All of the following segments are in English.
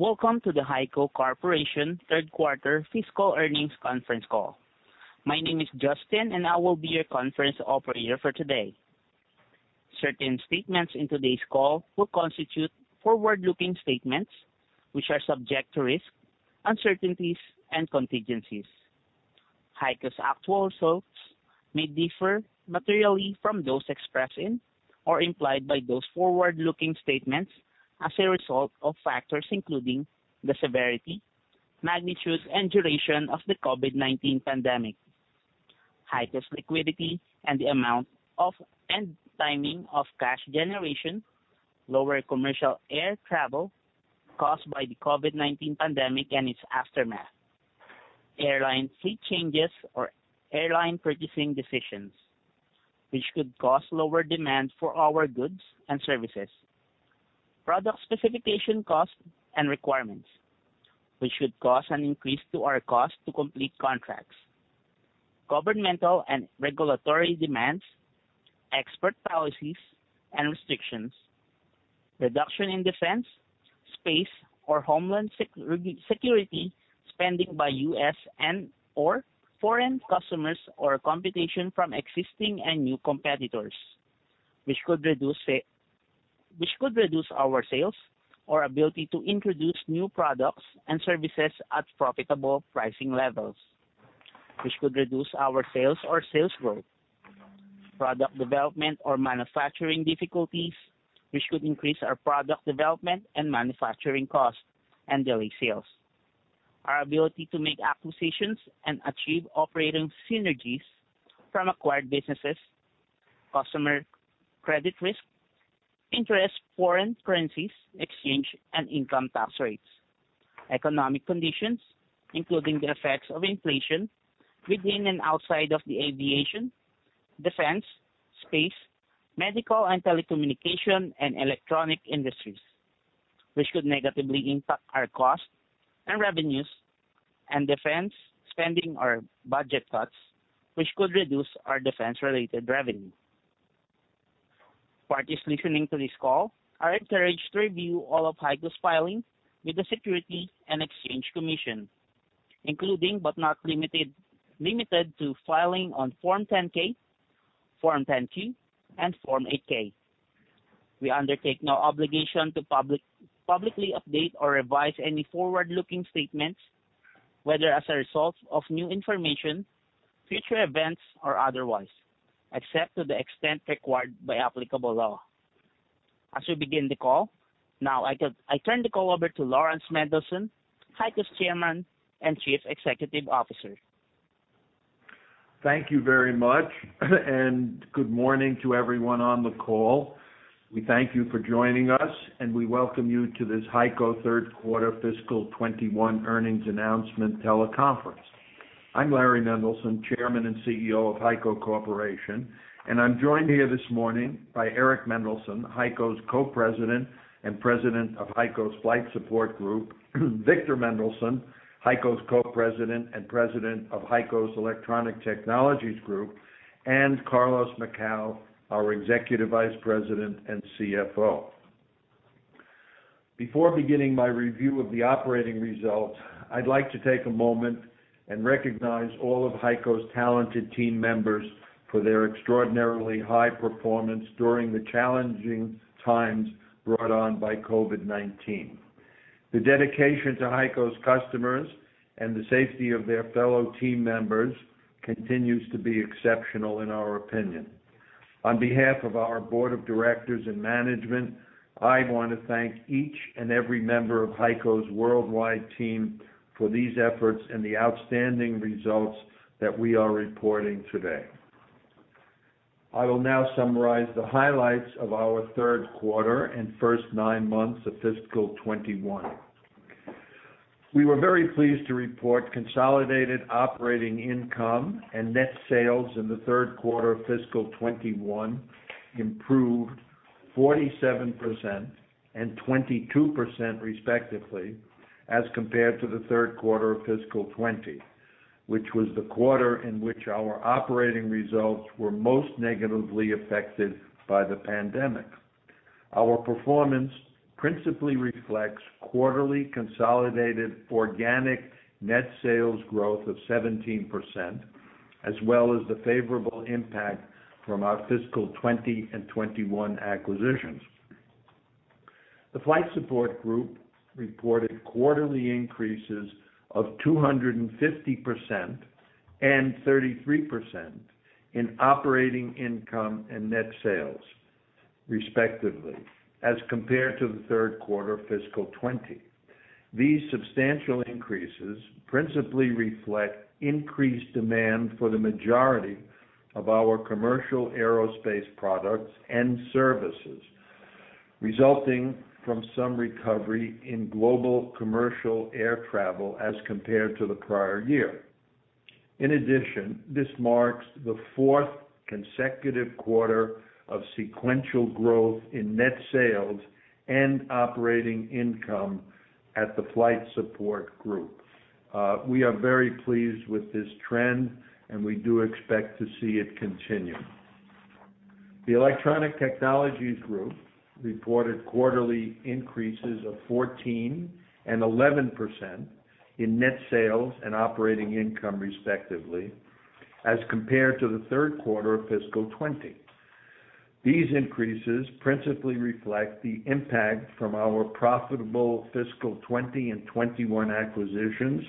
Welcome to the HEICO Corporation third quarter fiscal earnings conference call. My name is Justin, and I will be your conference operator for today. Certain statements in today's call will constitute forward-looking statements, which are subject to risks, uncertainties, and contingencies. HEICO's actual results may differ materially from those expressed in or implied by those forward-looking statements as a result of factors including the severity, magnitude, and duration of the COVID-19 pandemic. HEICO's liquidity and the amount of, and timing of cash generation, lower commercial air travel caused by the COVID-19 pandemic and its aftermath. Airline fee changes or airline purchasing decisions, which could cause lower demand for our goods and services. Product specification costs and requirements, which could cause an increase to our cost to complete contracts. Governmental and regulatory demands, export policies and restrictions. Reduction in defense, space, or homeland security spending by U.S. and/or foreign customers or competition from existing and new competitors, which could reduce our sales or ability to introduce new products and services at profitable pricing levels, which could reduce our sales or sales growth. Product development or manufacturing difficulties, which could increase our product development and manufacturing costs and delay sales. Our ability to make acquisitions and achieve operating synergies from acquired businesses, customer credit risk, interest, foreign currencies exchange, and income tax rates. Economic conditions, including the effects of inflation within and outside of the aviation, defense, space, medical, and telecommunication and electronic industries, which could negatively impact our costs and revenues. Defense spending or budget cuts, which could reduce our defense-related revenue. Parties listening to this call are encouraged to review all of HEICO's filings with the Securities and Exchange Commission, including but not limited to filing on Form 10-K, Form 10-Q, and Form 8-K. We undertake no obligation to publicly update or revise any forward-looking statements, whether as a result of new information, future events, or otherwise, except to the extent required by applicable law. As we begin the call, now I turn the call over to Laurans Mendelson, HEICO's Chairman and Chief Executive Officer. Thank you very much, and good morning to everyone on the call. We thank you for joining us, and we welcome you to this HEICO third quarter fiscal 2021 earnings announcement teleconference. I'm Laurans Mendelson, Chairman and CEO of HEICO Corporation, and I'm joined here this morning by Eric Mendelson, HEICO's Co-President and President of HEICO's Flight Support Group. Victor Mendelson, HEICO's Co-President and President of HEICO's Electronic Technologies Group. Carlos Macau, our Executive Vice President and CFO. Before beginning my review of the operating results, I'd like to take a moment and recognize all of HEICO's talented team members for their extraordinarily high performance during the challenging times brought on by COVID-19. The dedication to HEICO's customers and the safety of their fellow team members continues to be exceptional in our opinion. On behalf of our board of directors and management, I want to thank each and every member of HEICO's worldwide team for these efforts and the outstanding results that we are reporting today. I will now summarize the highlights of our third quarter and first nine months of fiscal 2021. We were very pleased to report consolidated operating income and net sales in the third quarter of fiscal 2021 improved 47% and 22%, respectively, as compared to the third quarter of fiscal 2020, which was the quarter in which our operating results were most negatively affected by the pandemic. Our performance principally reflects quarterly consolidated organic net sales growth of 17%, as well as the favorable impact from our fiscal 2020 and 2021 acquisitions. The Flight Support Group reported quarterly increases of 250% and 33% in operating income and net sales, respectively, as compared to the third quarter of fiscal 2020. These substantial increases principally reflect increased demand for the majority of our commercial aerospace products and services, resulting from some recovery in global commercial air travel as compared to the prior year. In addition, this marks the fourth consecutive quarter of sequential growth in net sales and operating income at the Flight Support Group. We are very pleased with this trend, and we do expect to see it continue. The Electronic Technologies Group reported quarterly increases of 14% and 11% in net sales and operating income, respectively, as compared to the third quarter of fiscal 2020. These increases principally reflect the impact from our profitable fiscal 2020 and 2021 acquisitions,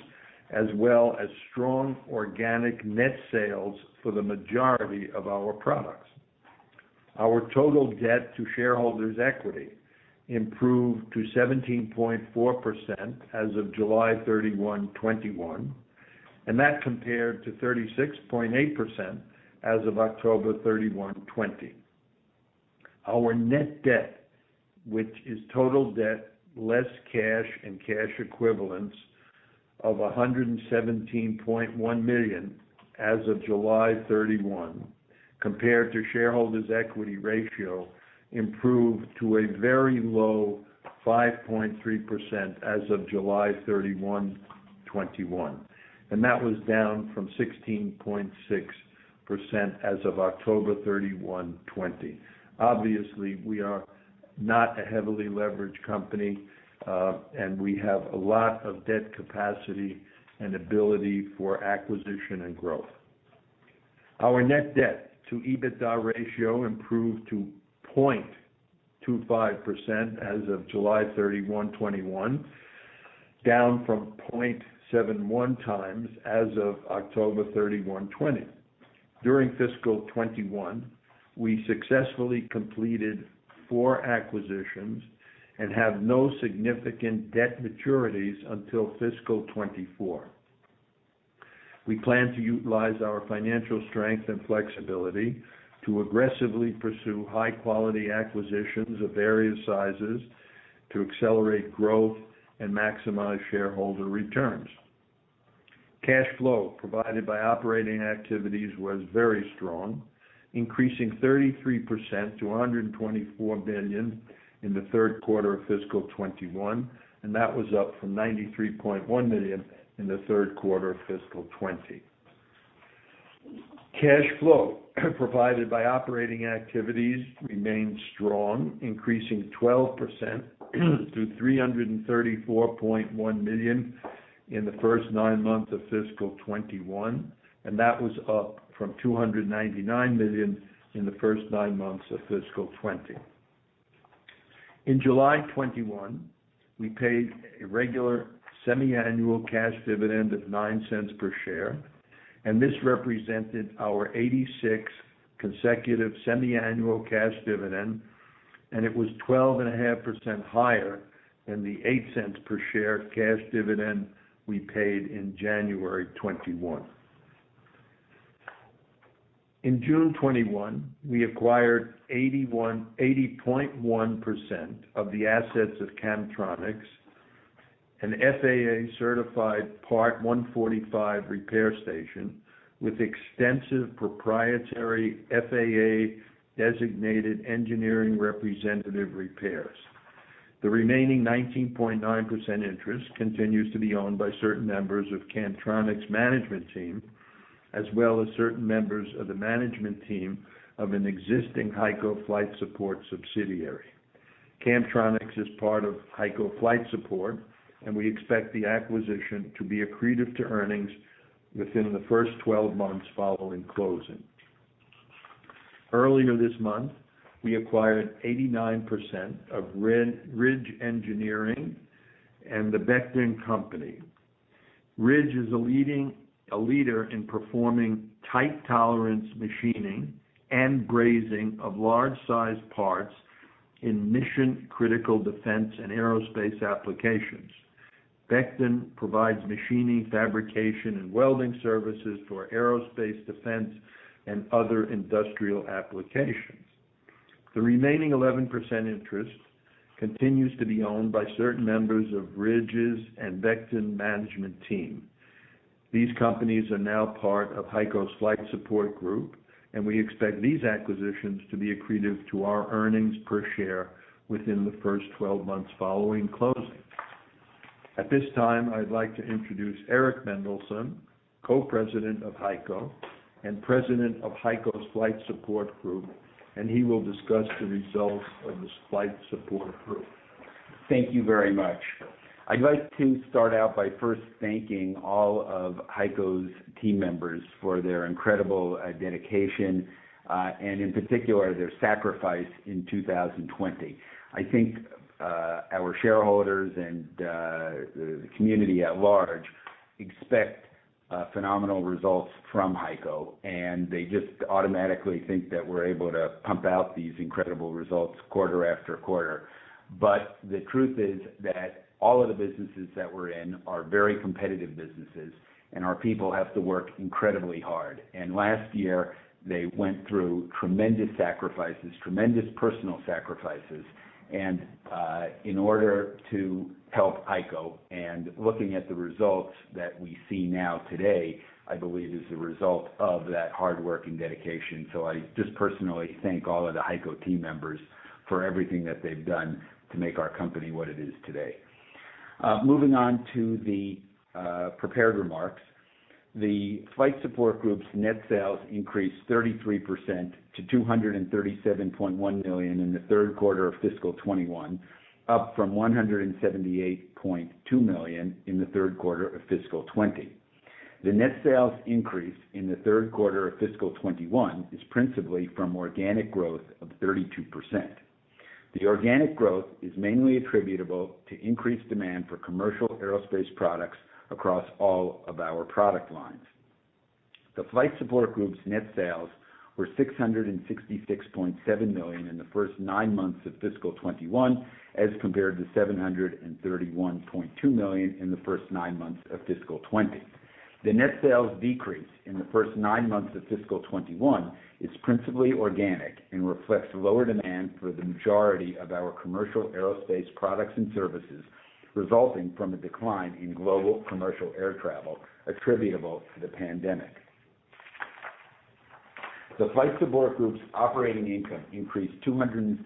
as well as strong organic net sales for the majority of our products. Our total debt to shareholders' equity improved to 17.4% as of July 31, 2021. That compared to 36.8% as of October 31, 2020. Our net debt, which is total debt, less cash and cash equivalents of $117.1 million as of July 31, compared to shareholders' equity ratio, improved to a very low 5.3% as of July 31, 2021. That was down from 16.6% as of October 31, 2020. Obviously, we are not a heavily leveraged company, and we have a lot of debt capacity and ability for acquisition and growth. Our net debt to EBITDA ratio improved to 0.25% as of July 31, 2021, down from 0.71x as of October 31, 2020. During fiscal 2021, we successfully completed four acquisitions and have no significant debt maturities until fiscal 2024. We plan to utilize our financial strength and flexibility to aggressively pursue high-quality acquisitions of various sizes to accelerate growth and maximize shareholder returns. Cash flow provided by operating activities was very strong, increasing 33% to $124 million in the third quarter of fiscal 2021, and that was up from $93.1 million in the third quarter of fiscal 2020. Cash flow provided by operating activities remained strong, increasing 12% to $334.1 million in the first nine months of fiscal 2021, and that was up from $299 million in the first nine months of fiscal 2020. In July 2021, we paid a regular semiannual cash dividend of $0.09 per share, and this represented our 86th consecutive semiannual cash dividend, and it was 12.5% higher than the $0.08 per share cash dividend we paid in January 2021. In June 21, we acquired 80.1% of the assets of Camtronics, an FAA-certified Part 145 repair station with extensive proprietary FAA-designated engineering representative repairs. The remaining 19.9% interest continues to be owned by certain members of Camtronics' management team, as well as certain members of the management team of an existing HEICO Flight Support subsidiary. Camtronics is part of HEICO Flight Support, and we expect the acquisition to be accretive to earnings within the first 12 months following closing. Earlier this month, we acquired 89% of Ridge Engineering and The Bechdon Company. Ridge is a leader in performing tight tolerance machining and brazing of large-sized parts in mission-critical defense and aerospace applications. Bechdon provides machining, fabrication, and welding services for aerospace defense and other industrial applications. The remaining 11% interest continues to be owned by certain members of Ridge's and Bechdon management team. These companies are now part of HEICO's Flight Support Group, and we expect these acquisitions to be accretive to our earnings per share within the first 12 months following closing. At this time, I'd like to introduce Eric Mendelson, Co-President of HEICO and President of HEICO's Flight Support Group, and he will discuss the results of the Flight Support Group. Thank you very much. I'd like to start out by first thanking all of HEICO's team members for their incredible dedication, and in particular, their sacrifice in 2020. I think our shareholders and the community at large expect phenomenal results from HEICO, and they just automatically think that we're able to pump out these incredible results quarter after quarter. The truth is that all of the businesses that we're in are very competitive businesses, and our people have to work incredibly hard. Last year, they went through tremendous sacrifices, tremendous personal sacrifices. In order to help HEICO and looking at the results that we see now today, I believe is the result of that hard work and dedication. I just personally thank all of the HEICO team members for everything that they've done to make our company what it is today. Moving on to the prepared remarks. The Flight Support Group's net sales increased 33% to $237.1 million in the third quarter of fiscal 2021, up from $178.2 million in the third quarter of fiscal 2020. The net sales increase in the third quarter of fiscal 2021 is principally from organic growth of 32%. The organic growth is mainly attributable to increased demand for commercial aerospace products across all of our product lines. The Flight Support Group's net sales were $666.7 million in the first nine months of fiscal 2021, as compared to $731.2 million in the first nine months of fiscal 2020. The net sales decrease in the first nine months of fiscal 2021 is principally organic and reflects lower demand for the majority of our commercial aerospace products and services, resulting from a decline in global commercial air travel attributable to the pandemic. The Flight Support Group's operating income increased 250%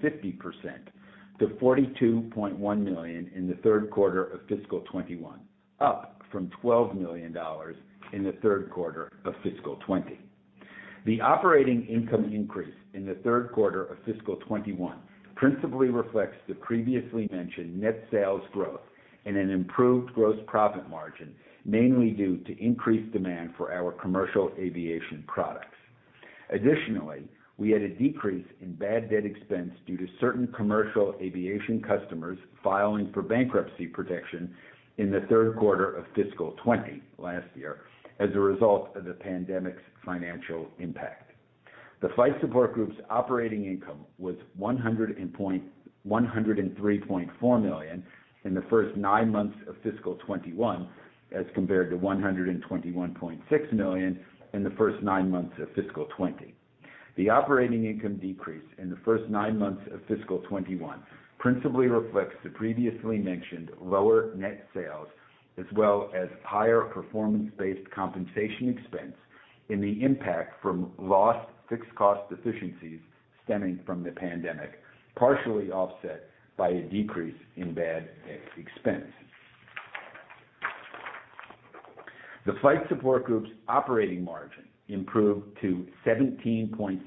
to $42.1 million in the third quarter of fiscal 2021, up from $12 million in the third quarter of fiscal 2020. The operating income increase in the third quarter of fiscal 2021 principally reflects the previously mentioned net sales growth and an improved gross profit margin, mainly due to increased demand for our commercial aviation products. Additionally, we had a decrease in bad debt expense due to certain commercial aviation customers filing for bankruptcy protection in the third quarter of fiscal 2020 last year as a result of the pandemic's financial impact. The Flight Support Group's operating income was $103.4 million in the first nine months of fiscal 2021, as compared to $121.6 million in the first nine months of fiscal 2020. The operating income decrease in the first nine months of fiscal 2021 principally reflects the previously mentioned lower net sales, as well as higher performance-based compensation expense and the impact from lost fixed cost efficiencies stemming from the pandemic, partially offset by a decrease in bad debt expense. The Flight Support Group's operating margin improved to 17.7%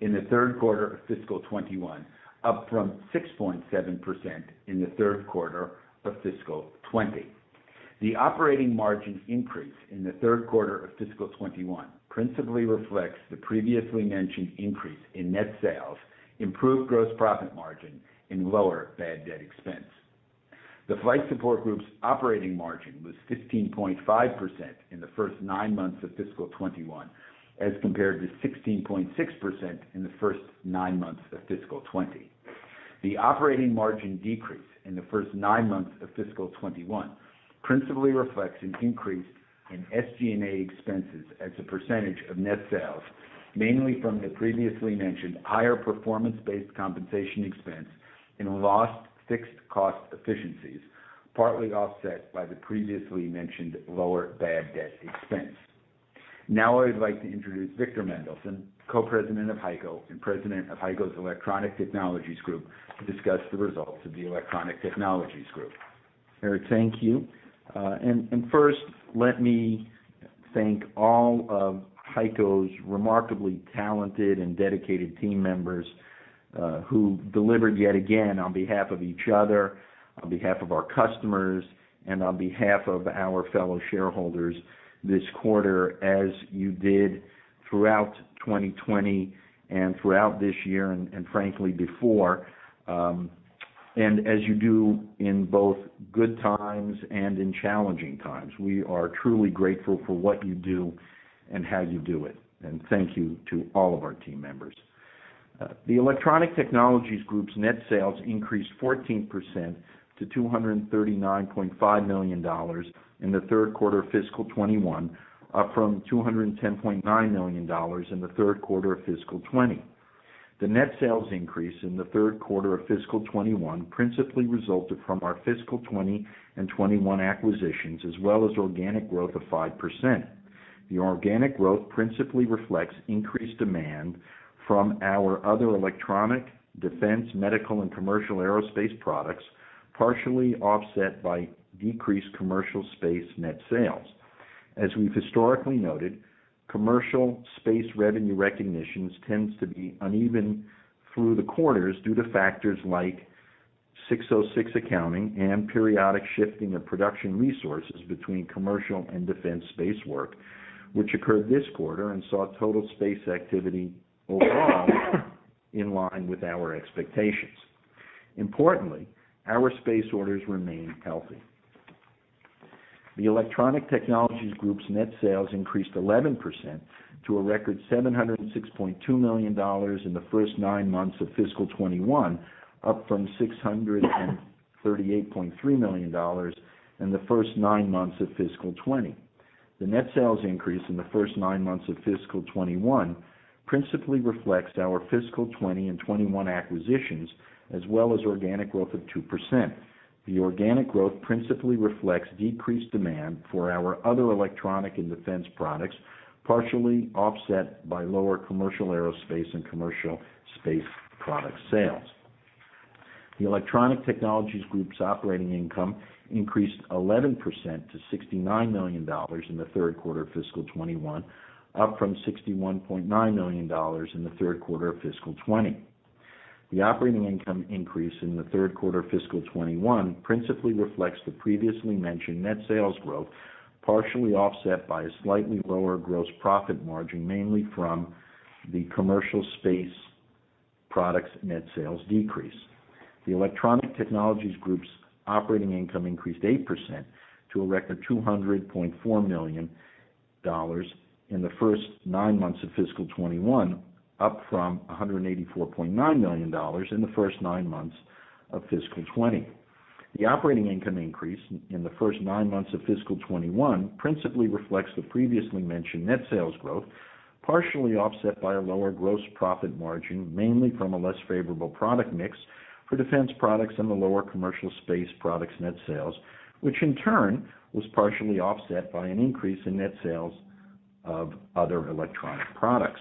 in the third quarter of fiscal 2021, up from 6.7% in the third quarter of fiscal 2020. The operating margin increase in the third quarter of fiscal 2021 principally reflects the previously mentioned increase in net sales, improved gross profit margin, and lower bad debt expense. The Flight Support Group's operating margin was 15.5% in the first nine months of fiscal 2021, as compared to 16.6% in the first nine months of fiscal 2020. The operating margin decrease in the first nine months of fiscal 2021 principally reflects an increase in SG&A expenses as a percentage of net sales, mainly from the previously mentioned higher performance-based compensation expense and lost fixed cost efficiencies, partly offset by the previously mentioned lower bad debt expense. Now I'd like to introduce Victor Mendelson, Co-President of HEICO and President of HEICO's Electronic Technologies Group, to discuss the results of the Electronic Technologies Group. Eric, thank you. First, let me thank all of HEICO's remarkably talented and dedicated team members who delivered yet again on behalf of each other, on behalf of our customers, and on behalf of our fellow shareholders this quarter as you did throughout 2020 and throughout this year and frankly before, and as you do in both good times and in challenging times. We are truly grateful for what you do and how you do it. Thank you to all of our team members. The Electronic Technologies Group's net sales increased 14% to $239.5 million in the third quarter of fiscal 2021, up from $210.9 million in the third quarter of fiscal 2020. The net sales increase in the third quarter of fiscal 2021 principally resulted from our fiscal 2020 and 2021 acquisitions, as well as organic growth of 5%. The organic growth principally reflects increased demand from our other electronic, defense, medical, and commercial aerospace products, partially offset by decreased commercial space net sales. As we've historically noted, commercial space revenue recognitions tends to be uneven through the quarters due to factors like 606 accounting and periodic shifting of production resources between commercial and defense space work, which occurred this quarter and saw total space activity overall in line with our expectations. Importantly, our space orders remain healthy. The Electronic Technologies Group's net sales increased 11% to a record $706.2 million in the first nine months of fiscal 2021, up from $638.3 million in the first nine months of fiscal 2020. The net sales increase in the first nine months of fiscal 2021 principally reflects our fiscal 2020 and 2021 acquisitions, as well as organic growth of 2%. The organic growth principally reflects decreased demand for our other electronic and defense products, partially offset by lower commercial aerospace and commercial space product sales. The Electronic Technologies Group's operating income increased 11% to $69 million in the third quarter of fiscal 2021, up from $61.9 million in the third quarter of fiscal 2020. The operating income increase in the third quarter of fiscal 2021 principally reflects the previously mentioned net sales growth, partially offset by a slightly lower gross profit margin, mainly from the commercial space products net sales decrease. The Electronic Technologies Group's operating income increased 8% to a record $200.4 million in the first nine months of fiscal 2021, up from $184.9 million in the first nine months of fiscal 2020. The operating income increase in the first nine months of fiscal 2021 principally reflects the previously mentioned net sales growth, partially offset by a lower gross profit margin, mainly from a less favorable product mix for defense products and the lower commercial space products net sales, which in turn was partially offset by an increase in net sales of other electronic products.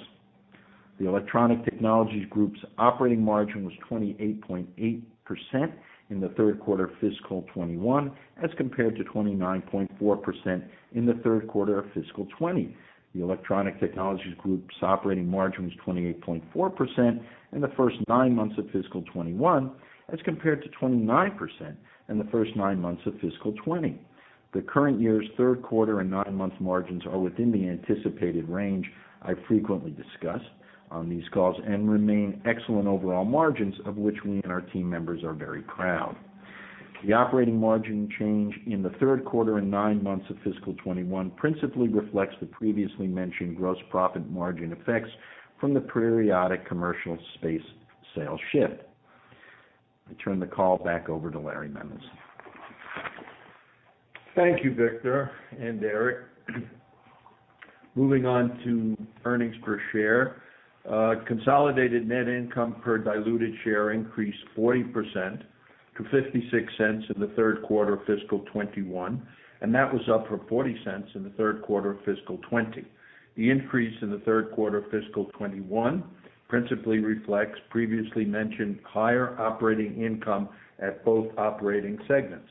The Electronic Technologies Group's operating margin was 28.8% in the third quarter of fiscal 2021 as compared to 29.4% in the third quarter of fiscal 2020. The Electronic Technologies Group's operating margin was 28.4% in the first nine months of fiscal 2021 as compared to 29% in the first nine months of fiscal 2020. The current year's third quarter and nine-month margins are within the anticipated range I frequently discuss on these calls and remain excellent overall margins of which me and our team members are very proud. The operating margin change in the third quarter and nine months of fiscal 2021 principally reflects the previously mentioned gross profit margin effects from the periodic commercial space sales shift. I turn the call back over to Larry Mendelson. Thank you, Victor and Eric. Moving on to earnings per share. Consolidated net income per diluted share increased 40% to $0.56 in the third quarter of fiscal 2021, and that was up from $0.40 in the third quarter of fiscal 2020. The increase in the third quarter of fiscal 2021 principally reflects previously mentioned higher operating income at both operating segments.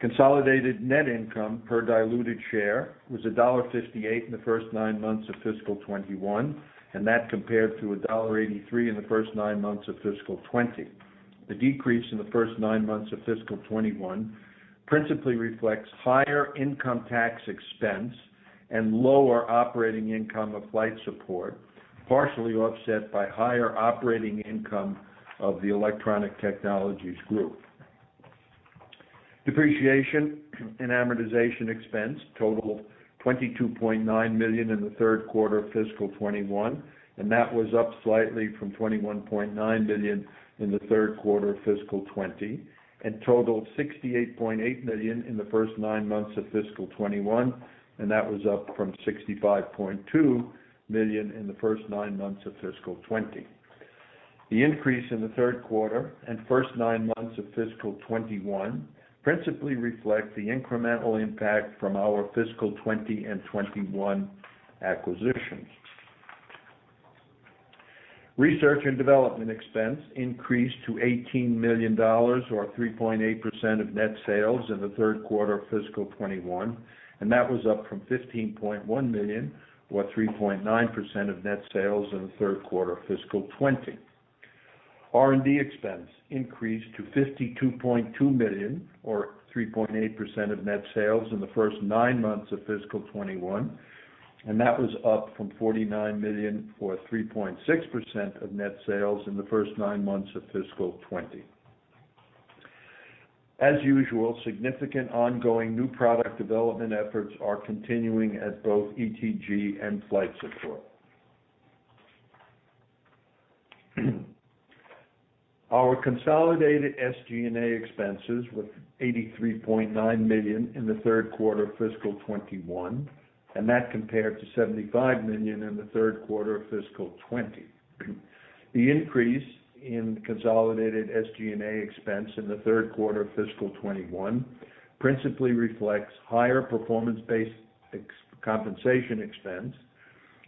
Consolidated net income per diluted share was $1.58 in the first nine months of fiscal 2021, and that compared to $1.83 in the first nine months of fiscal 2020. The decrease in the first nine months of fiscal 2021 principally reflects higher income tax expense and lower operating income of Flight Support Group, partially offset by higher operating income of the Electronic Technologies Group. Depreciation and amortization expense totaled $22.9 million in the third quarter of fiscal 2021, and that was up slightly from $21.9 million in the third quarter of fiscal 2020 and totaled $68.8 million in the first nine months of fiscal 2021, and that was up from $65.2 million in the first nine months of fiscal 2020. The increase in the third quarter and first nine months of fiscal 2021 principally reflect the incremental impact from our fiscal 2020 and 2021 acquisitions. Research and development expense increased to $18 million, or 3.8% of net sales in the third quarter of fiscal 2021, and that was up from $15.1 million, or 3.9% of net sales in the third quarter of fiscal 2020. R&D expense increased to $52.2 million or 3.8% of net sales in the first nine months of fiscal 2021. That was up from $49 million or 3.6% of net sales in the first nine months of fiscal 2020. As usual, significant ongoing new product development efforts are continuing at both ETG and Flight Support. Our consolidated SG&A expenses were $83.9 million in the third quarter of fiscal 2021. That compared to $75 million in the third quarter of fiscal 2020. The increase in consolidated SG&A expense in the third quarter of fiscal 2021 principally reflects higher performance-based compensation expense,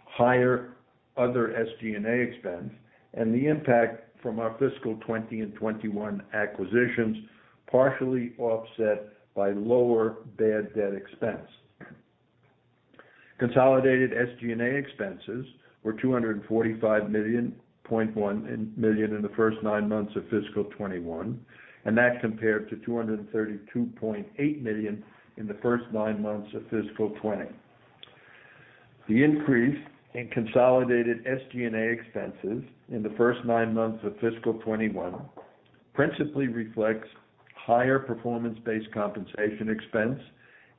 higher other SG&A expense, and the impact from our fiscal 2020 and 2021 acquisitions, partially offset by lower bad debt expense. Consolidated SG&A expenses were $245.1 million in the first nine months of fiscal 2021. That compared to $232.8 million in the first nine months of fiscal 2020. The increase in consolidated SG&A expenses in the first nine months of fiscal 2021 principally reflects higher performance-based compensation expense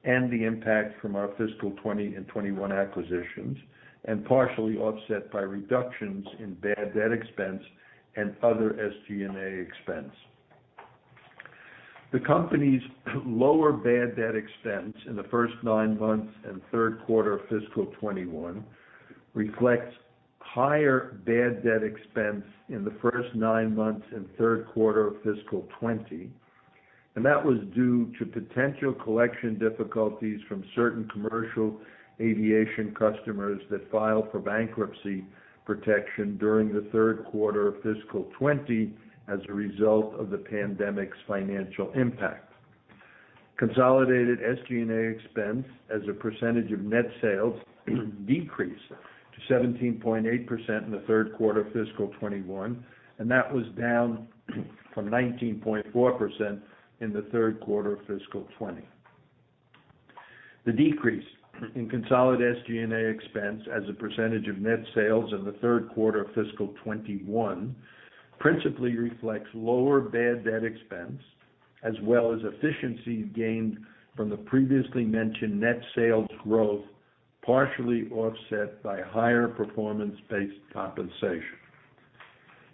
and the impact from our fiscal 2020 and 2021 acquisitions, and partially offset by reductions in bad debt expense and other SG&A expense. The company's lower bad debt expense in the first nine months and third quarter of fiscal 2021 reflects higher bad debt expense in the first nine months in third quarter of fiscal 2020. That was due to potential collection difficulties from certain commercial aviation customers that filed for bankruptcy protection during the third quarter of fiscal 2020 as a result of the pandemic's financial impact. Consolidated SG&A expense as a percentage of net sales decreased to 17.8% in the third quarter of fiscal 2021, and that was down from 19.4% in the third quarter of fiscal 2020. The decrease in consolidated SG&A expense as a percentage of net sales in the third quarter of fiscal 2021 principally reflects lower bad debt expense, as well as efficiencies gained from the previously mentioned net sales growth, partially offset by higher performance-based compensation.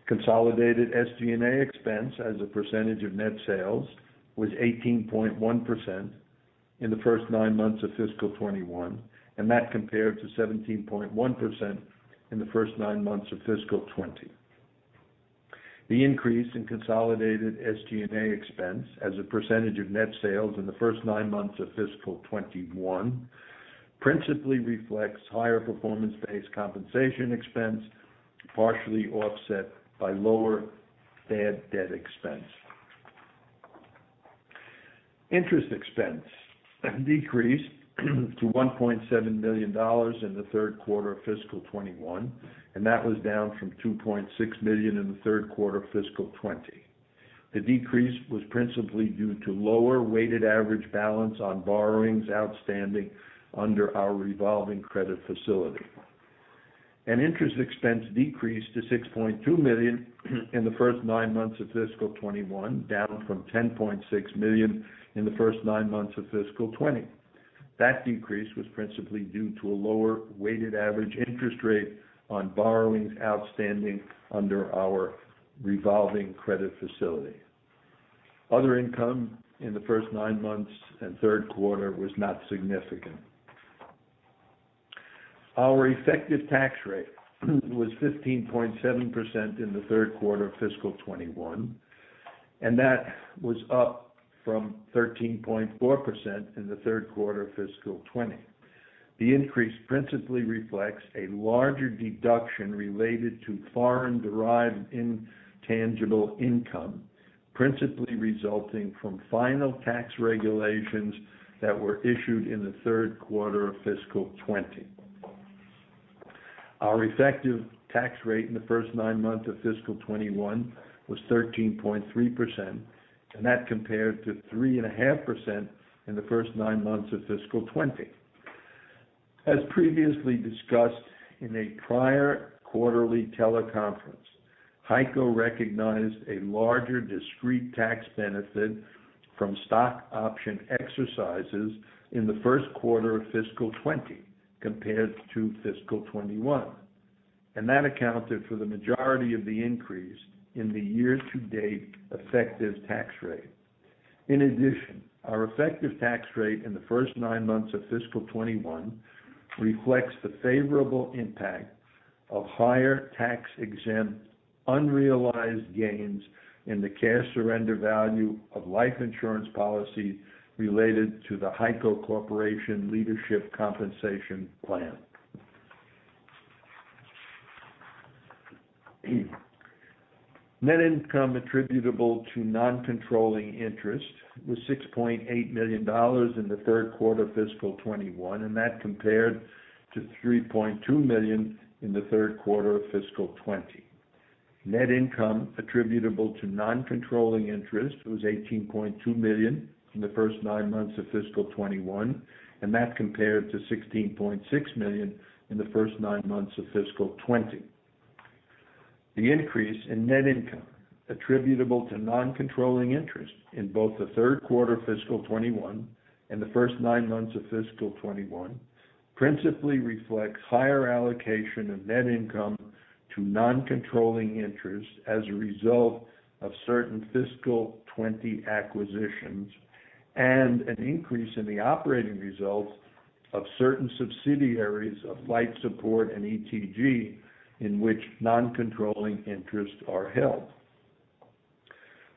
Consolidated SG&A expense as a percentage of net sales was 18.1% in the first nine months of fiscal 2021, and that compared to 17.1% in the first nine months of fiscal 2020. The increase in consolidated SG&A expense as a percentage of net sales in the first nine months of fiscal 2021 principally reflects higher performance-based compensation expense, partially offset by lower bad debt expense. Interest expense decreased to $1.7 million in the third quarter of fiscal 2021, and that was down from $2.6 million in the third quarter of fiscal 2020. The decrease was principally due to lower weighted average balance on borrowings outstanding under our revolving credit facility. Interest expense decreased to $6.2 million in the first nine months of fiscal 2021, down from $10.6 million in the first nine months of fiscal 2020. That decrease was principally due to a lower weighted average interest rate on borrowings outstanding under our revolving credit facility. Other income in the first nine months and third quarter was not significant. Our effective tax rate was 15.7% in the third quarter of fiscal 2021, and that was up from 13.4% in the third quarter of fiscal 2020. The increase principally reflects a larger deduction related to foreign-derived intangible income, principally resulting from final tax regulations that were issued in the third quarter of fiscal 2020. Our effective tax rate in the first nine months of fiscal 2021 was 13.3%. That compared to 3.5% in the first nine months of fiscal 2020. As previously discussed in a prior quarterly teleconference, HEICO recognized a larger discrete tax benefit from stock option exercises in the first quarter of fiscal 2020 compared to fiscal 2021. That accounted for the majority of the increase in the year-to-date effective tax rate. In addition, our effective tax rate in the first nine months of fiscal 2021 reflects the favorable impact of higher tax-exempt, unrealized gains in the cash surrender value of life insurance policies related to the HEICO Corporation Leadership Compensation Plan. Net income attributable to non-controlling interest was $6.8 million in the third quarter of fiscal 2021. That compared to $3.2 million in the third quarter of fiscal 2020. Net income attributable to non-controlling interest was $18.2 million in the first nine months of fiscal 2021, and that compared to $16.6 million in the first nine months of fiscal 2020. The increase in net income attributable to non-controlling interest in both the third quarter of fiscal 2021 and the first nine months of fiscal 2021 principally reflects higher allocation of net income to non-controlling interest as a result of certain fiscal 2020 acquisitions and an increase in the operating results of certain subsidiaries of Flight Support and ETG, in which non-controlling interests are held.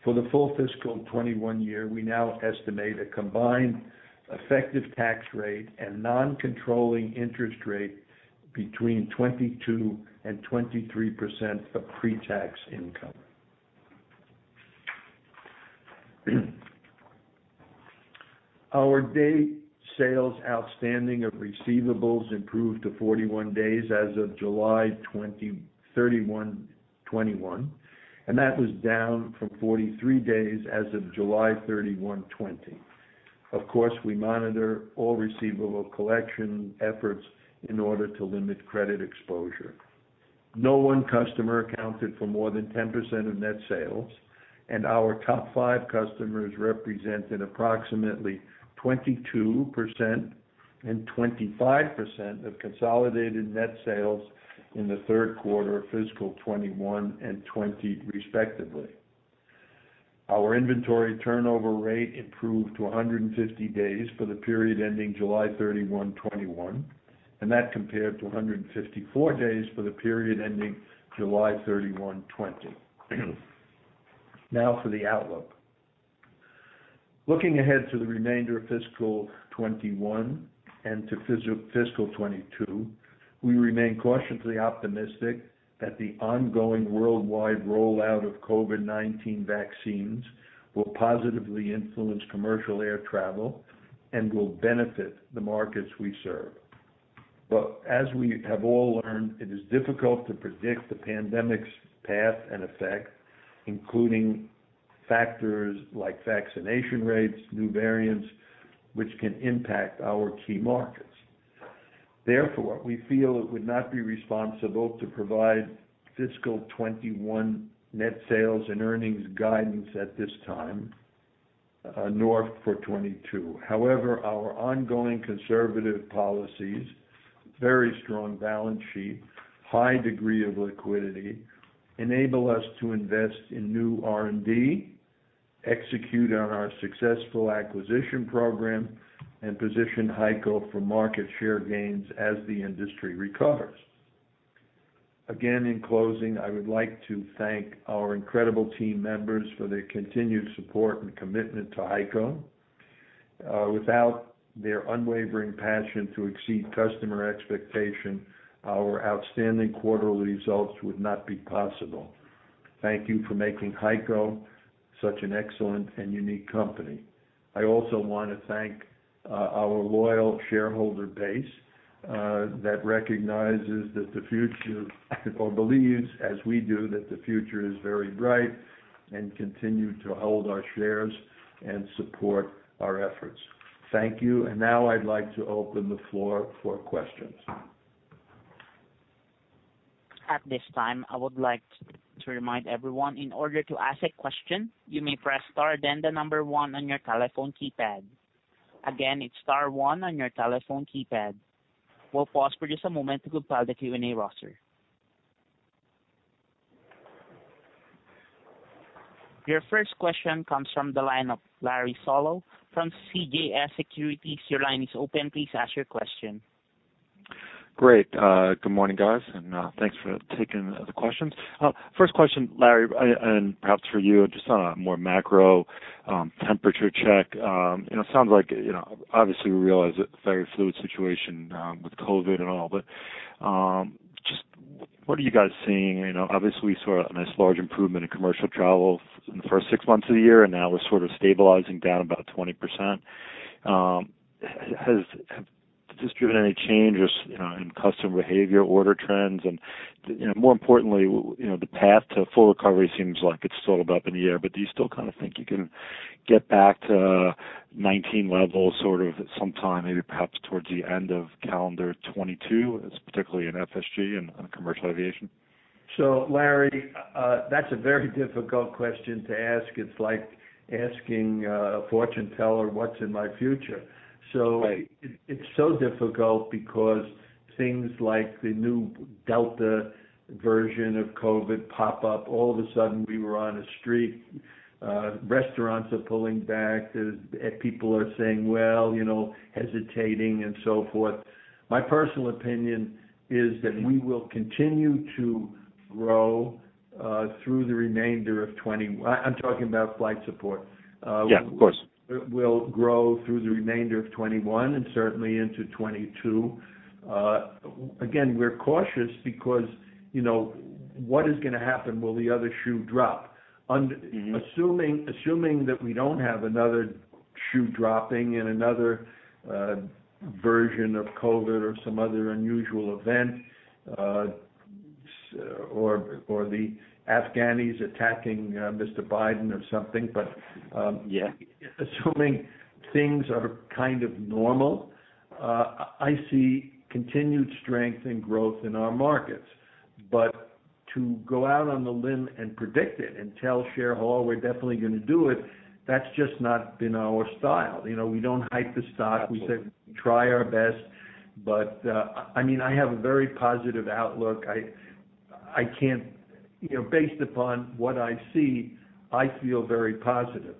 For the full fiscal 2021 year, we now estimate a combined effective tax rate and non-controlling interest rate between 22% and 23% of pre-tax income. Our days sales outstanding of receivables improved to 41 days as of July 31, 2021 and that was down from 43 days as of July 31, 2020. Of course, we monitor all receivable collection efforts in order to limit credit exposure. No one customer accounted for more than 10% of net sales, and our top five customers represented approximately 22% and 25% of consolidated net sales in the third quarter of fiscal 2021 and 2020 respectively. Our inventory turnover rate improved to 150 days for the period ending July 31, 2021. That compared to 154 days for the period ending July 31, 2020. Now for the outlook. Looking ahead to the remainder of fiscal 2021 and to fiscal 2022, we remain cautiously optimistic that the ongoing worldwide rollout of COVID-19 vaccines will positively influence commercial air travel and will benefit the markets we serve. As we have all learned, it is difficult to predict the pandemic's path and effect, including factors like vaccination rates, new variants, which can impact our key markets. Therefore, we feel it would not be responsible to provide fiscal 2021 net sales and earnings guidance at this time, nor for 2022. However, our ongoing conservative policies, very strong balance sheet, high degree of liquidity, enable us to invest in new R&D, execute on our successful acquisition program, and position HEICO for market share gains as the industry recovers. Again, in closing, I would like to thank our incredible team members for their continued support and commitment to HEICO. Without their unwavering passion to exceed customer expectation, our outstanding quarterly results would not be possible. Thank you for making HEICO such an excellent and unique company. I also want to thank our loyal shareholder base that recognizes that the future or believes as we do that the future is very bright and continue to hold our shares and support our efforts. Thank you. Now I'd like to open the floor for questions. At this time, I would like to remind everyone, in order to ask a question, you may press star then the number one on your telephone keypad. Again, it's star one on your telephone keypad. We'll pause for just a moment to compile the Q&A roster. Your first question comes from the line of Larry Solow from CJS Securities. Your line is open. Please ask your question. Great. Good morning, guys, and thanks for taking the questions. First question, Larry, and perhaps for you just on a more macro temperature check. Sounds like, obviously we realize it's a very fluid situation with COVID-19 and all. Just what are you guys seeing? Obviously, we saw a nice large improvement in commercial travel in the first six months of the year. Now we're sort of stabilizing down about 20%. Has this driven any changes in customer behavior, order trends? More importantly, the path to full recovery seems like it's sort of up in the air. Do you still kind of think you can get back to 2019 levels sort of sometime, maybe perhaps towards the end of calendar 2022, particularly in FSG and commercial aviation? Larry, that's a very difficult question to ask. It's like asking a fortune teller what's in my future. Right. It's so difficult because things like the new Delta version of COVID pop up. All of a sudden, we were on a streak. Restaurants are pulling back. People are saying, "Well," hesitating and so forth. My personal opinion is that we will continue to grow through the remainder of 2020. I'm talking about Flight Support. Yeah, of course. We'll grow through the remainder of 2021 and certainly into 2022. Again, we're cautious because what is going to happen? Will the other shoe drop? Assuming that we don't have another shoe dropping and another version of COVID or some other unusual event, or the Afghanis attacking Mr. Biden or something. Yeah. Assuming things are kind of normal, I see continued strength and growth in our markets. To go out on a limb and predict it and tell shareholders we're definitely going to do it, that's just not been our style. We don't hype the stock. Absolutely. We say we try our best, but I have a very positive outlook. Based upon what I see, I feel very positive.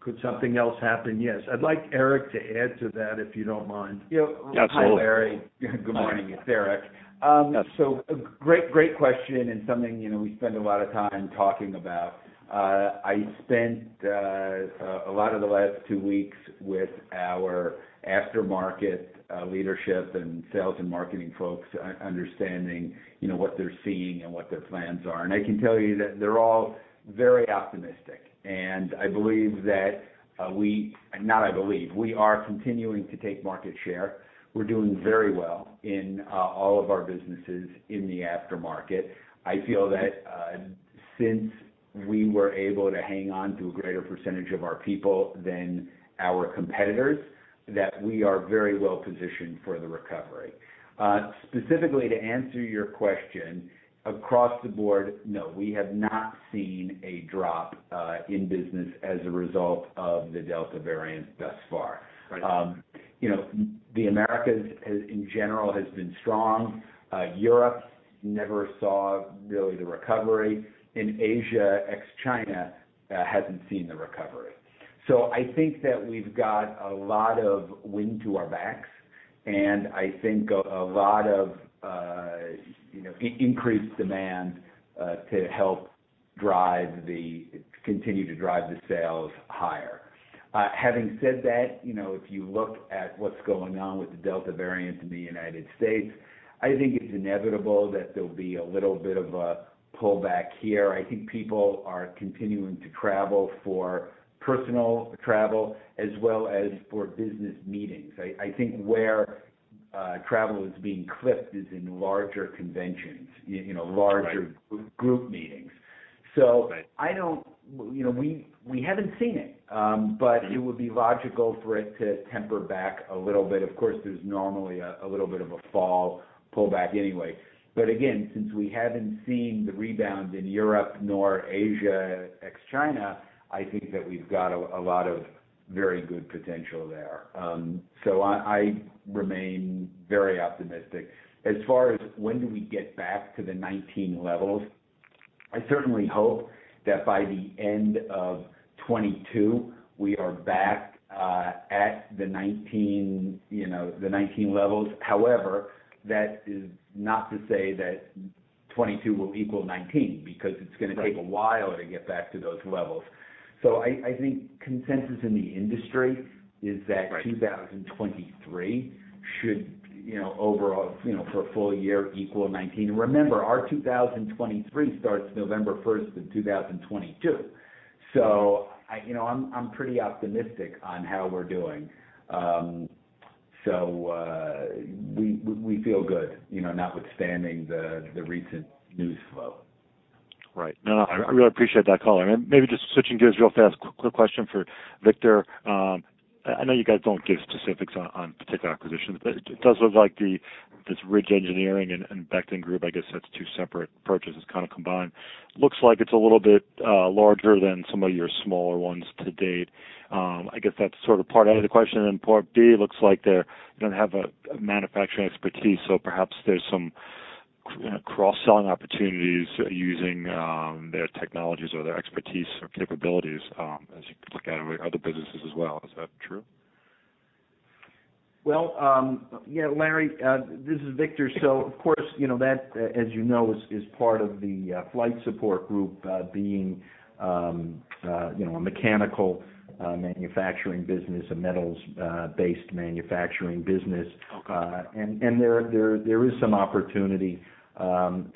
Could something else happen? Yes. I'd like Eric to add to that, if you don't mind. Yeah, absolutely. Hi, Larry. Good morning. It's Eric. Yes. A great question and something we spend a lot of time talking about. I spent a lot of the last two weeks with our aftermarket leadership and sales and marketing folks understanding what they're seeing and what their plans are. I can tell you that they're all very optimistic. We are continuing to take market share. We're doing very well in all of our businesses in the aftermarket. I feel that since we were able to hang on to a greater percentage of our people than our competitors, that we are very well positioned for the recovery. Specifically to answer your question, across the board, no, we have not seen a drop in business as a result of the Delta variant thus far. Right. The Americas in general has been strong. Europe never saw really the recovery. Asia, ex-China, hasn't seen the recovery. I think that we've got a lot of wind to our backs and I think a lot of increased demand to help continue to drive the sales higher. Having said that, if you look at what's going on with the Delta variant in the United States, I think it's inevitable that there'll be a little bit of a pullback here. I think people are continuing to travel for personal travel as well as for business meetings. I think where travel is being clipped is in larger conventions, larger group meetings. Right. We haven't seen it, but it would be logical for it to temper back a little bit. Of course, there's normally a little bit of a fall pullback anyway. Again, since we haven't seen the rebound in Europe nor Asia, ex-China, I think that we've got a lot of very good potential there. I remain very optimistic. As far as when do we get back to the 2019 levels, I certainly hope that by the end of 2022, we are back at the 2019 levels. However, that is not to say that 2022 will equal 2019 because it is gonna take a while to get back to those levels. I think consensus in the industry is that, 2023 should, overall, for a full year equal 2019. Remember, our 2023 starts November 1st of 2022. I'm pretty optimistic on how we're doing. We feel good notwithstanding the recent news flow. Right. No, I really appreciate that color. Maybe just switching gears real fast, quick question for Victor. I know you guys don't give specifics on particular acquisitions, but it does look like this Ridge Engineering and The Bechdon Company, I guess that's two separate purchases kind of combined. Looks like it's a little bit larger than some of your smaller ones to date. I guess that's sort of part A of the question. Part B, looks like they don't have a manufacturing expertise, so perhaps there's some cross-selling opportunities using their technologies or their expertise or capabilities as you look at other businesses as well. Is that true? Well, yeah, Larry, this is Victor. Of course, that, as you know, is part of the Flight Support Group being a mechanical manufacturing business, a metals-based manufacturing business. Okay. There is some opportunity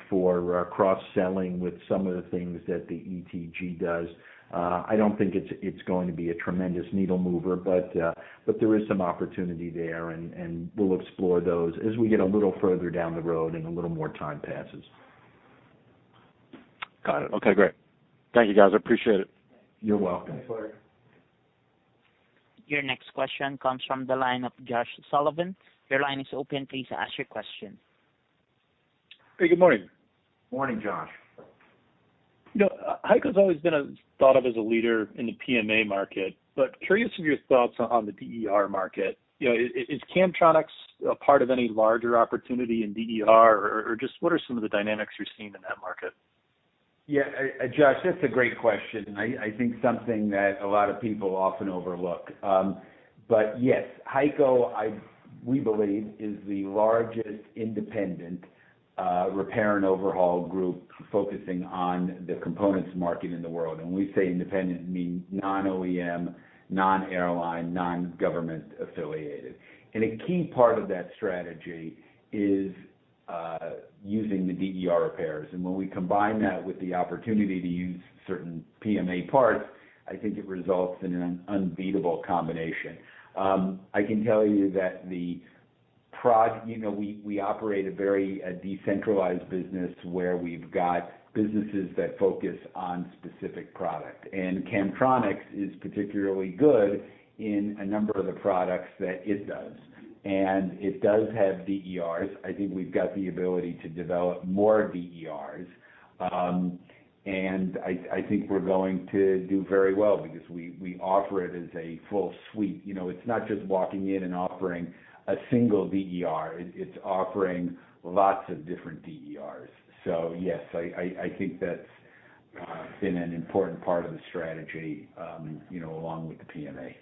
for cross-selling with some of the things that the ETG does. I don't think it's going to be a tremendous needle mover, but there is some opportunity there, and we'll explore those as we get a little further down the road and a little more time passes. Got it. Okay, great. Thank you, guys. I appreciate it. You're welcome. Thanks, Larry. Your next question comes from the line of Josh Sullivan. Your line is open. Please ask your question. Hey, good morning. Morning, Josh. HEICO's always been thought of as a leader in the PMA market, but curious of your thoughts on the DER market. Is Camtronics a part of any larger opportunity in DER, or just what are some of the dynamics you're seeing in that market? Josh, that's a great question. I think something that a lot of people often overlook. Yes, HEICO, we believe, is the largest independent repair and overhaul group focusing on the components market in the world. When we say independent, we mean non-OEM, non-airline, non-government affiliated. A key part of that strategy is using the DER repairs. When we combine that with the opportunity to use certain PMA parts, I think it results in an unbeatable combination. I can tell you that we operate a very decentralized business where we've got businesses that focus on specific product, and Camtronics is particularly good in a number of the products that it does. It does have DERs. I think we've got the ability to develop more DERs. I think we're going to do very well because we offer it as a full suite. It's not just walking in and offering a single DER. It's offering lots of different DERs. Yes, I think that's been an important part of the strategy along with the PMA.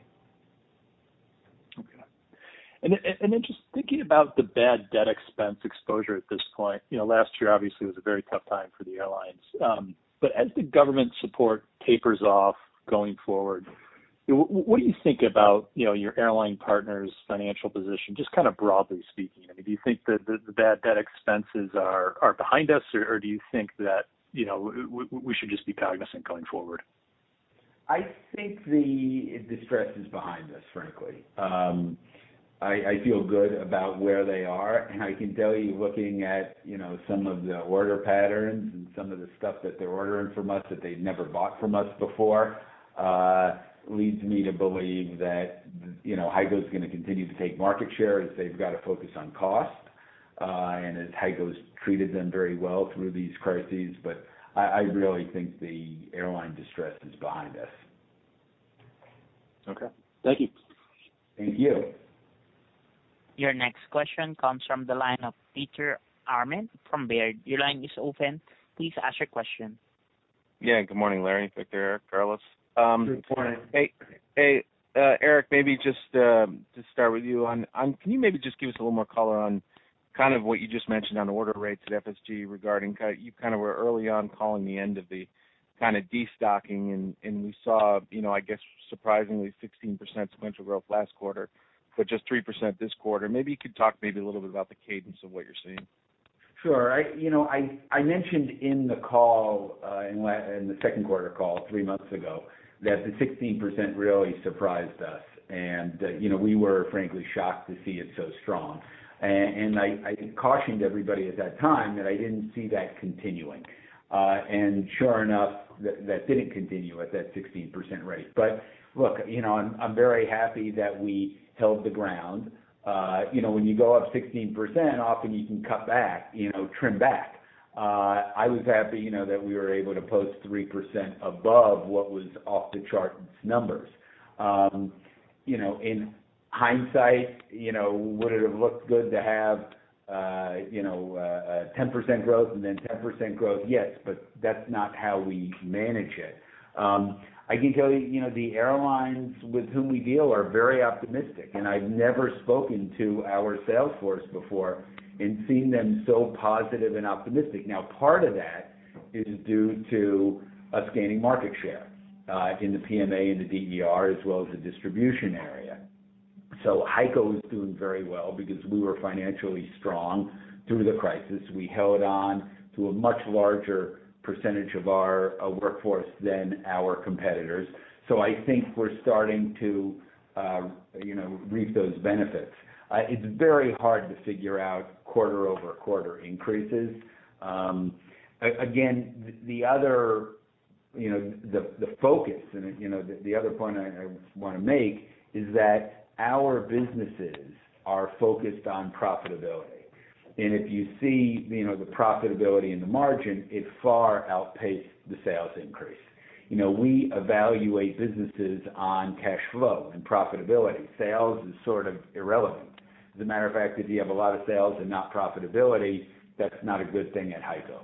Okay. Just thinking about the bad debt expense exposure at this point, last year obviously was a very tough time for the airlines. As the government support tapers off going forward, what do you think about your airline partners' financial position, just kind of broadly speaking? Do you think the bad debt expenses are behind us, or do you think that we should just be cognizant going forward? I think the distress is behind us, frankly. I feel good about where they are, and I can tell you, looking at some of the order patterns and some of the stuff that they're ordering from us that they'd never bought from us before, leads me to believe that HEICO's going to continue to take market share as they've got to focus on cost, and as HEICO's treated them very well through these crises. I really think the airline distress is behind us. Okay. Thank you. Thank you. Your next question comes from the line of Peter Arment from Baird. Your line is open. Please ask your question. Yeah. Good morning, Larry, Victor, Eric, Carlos. Good morning. Hey, Eric, maybe just to start with you, can you maybe just give us a little more color on what you just mentioned on order rates at FSG, regarding you were early on calling the end of the de-stocking, and we saw, I guess, surprisingly, 16% sequential growth last quarter, but just 3% this quarter. Maybe you could talk maybe a little bit about the cadence of what you're seeing. Sure. I mentioned in the second quarter call three months ago that the 16% really surprised us, and we were frankly shocked to see it so strong. I cautioned everybody at that time that I didn't see that continuing. Sure enough, that didn't continue at that 16% rate. Look, I'm very happy that we held the ground. When you go up 16%, often you can cut back, trim back. I was happy that we were able to post 3% above what was off-the-charts numbers. In hindsight, would it have looked good to have a 10% growth and then 10% growth? Yes, that's not how we manage it. I can tell you, the airlines with whom we deal are very optimistic, and I've never spoken to our sales force before and seen them so positive and optimistic. Now, part of that is due to us gaining market share, in the PMA and the DER, as well as the distribution area. HEICO is doing very well because we were financially strong through the crisis. We held on to a much larger percentage of our workforce than our competitors. I think we're starting to reap those benefits. It's very hard to figure out quarter-over-quarter increases. Again, the focus and the other point I want to make is that our businesses are focused on profitability, and if you see the profitability and the margin, it far outpaced the sales increase. We evaluate businesses on cash flow and profitability. Sales is sort of irrelevant. As a matter of fact, if you have a lot of sales and not profitability, that's not a good thing at HEICO.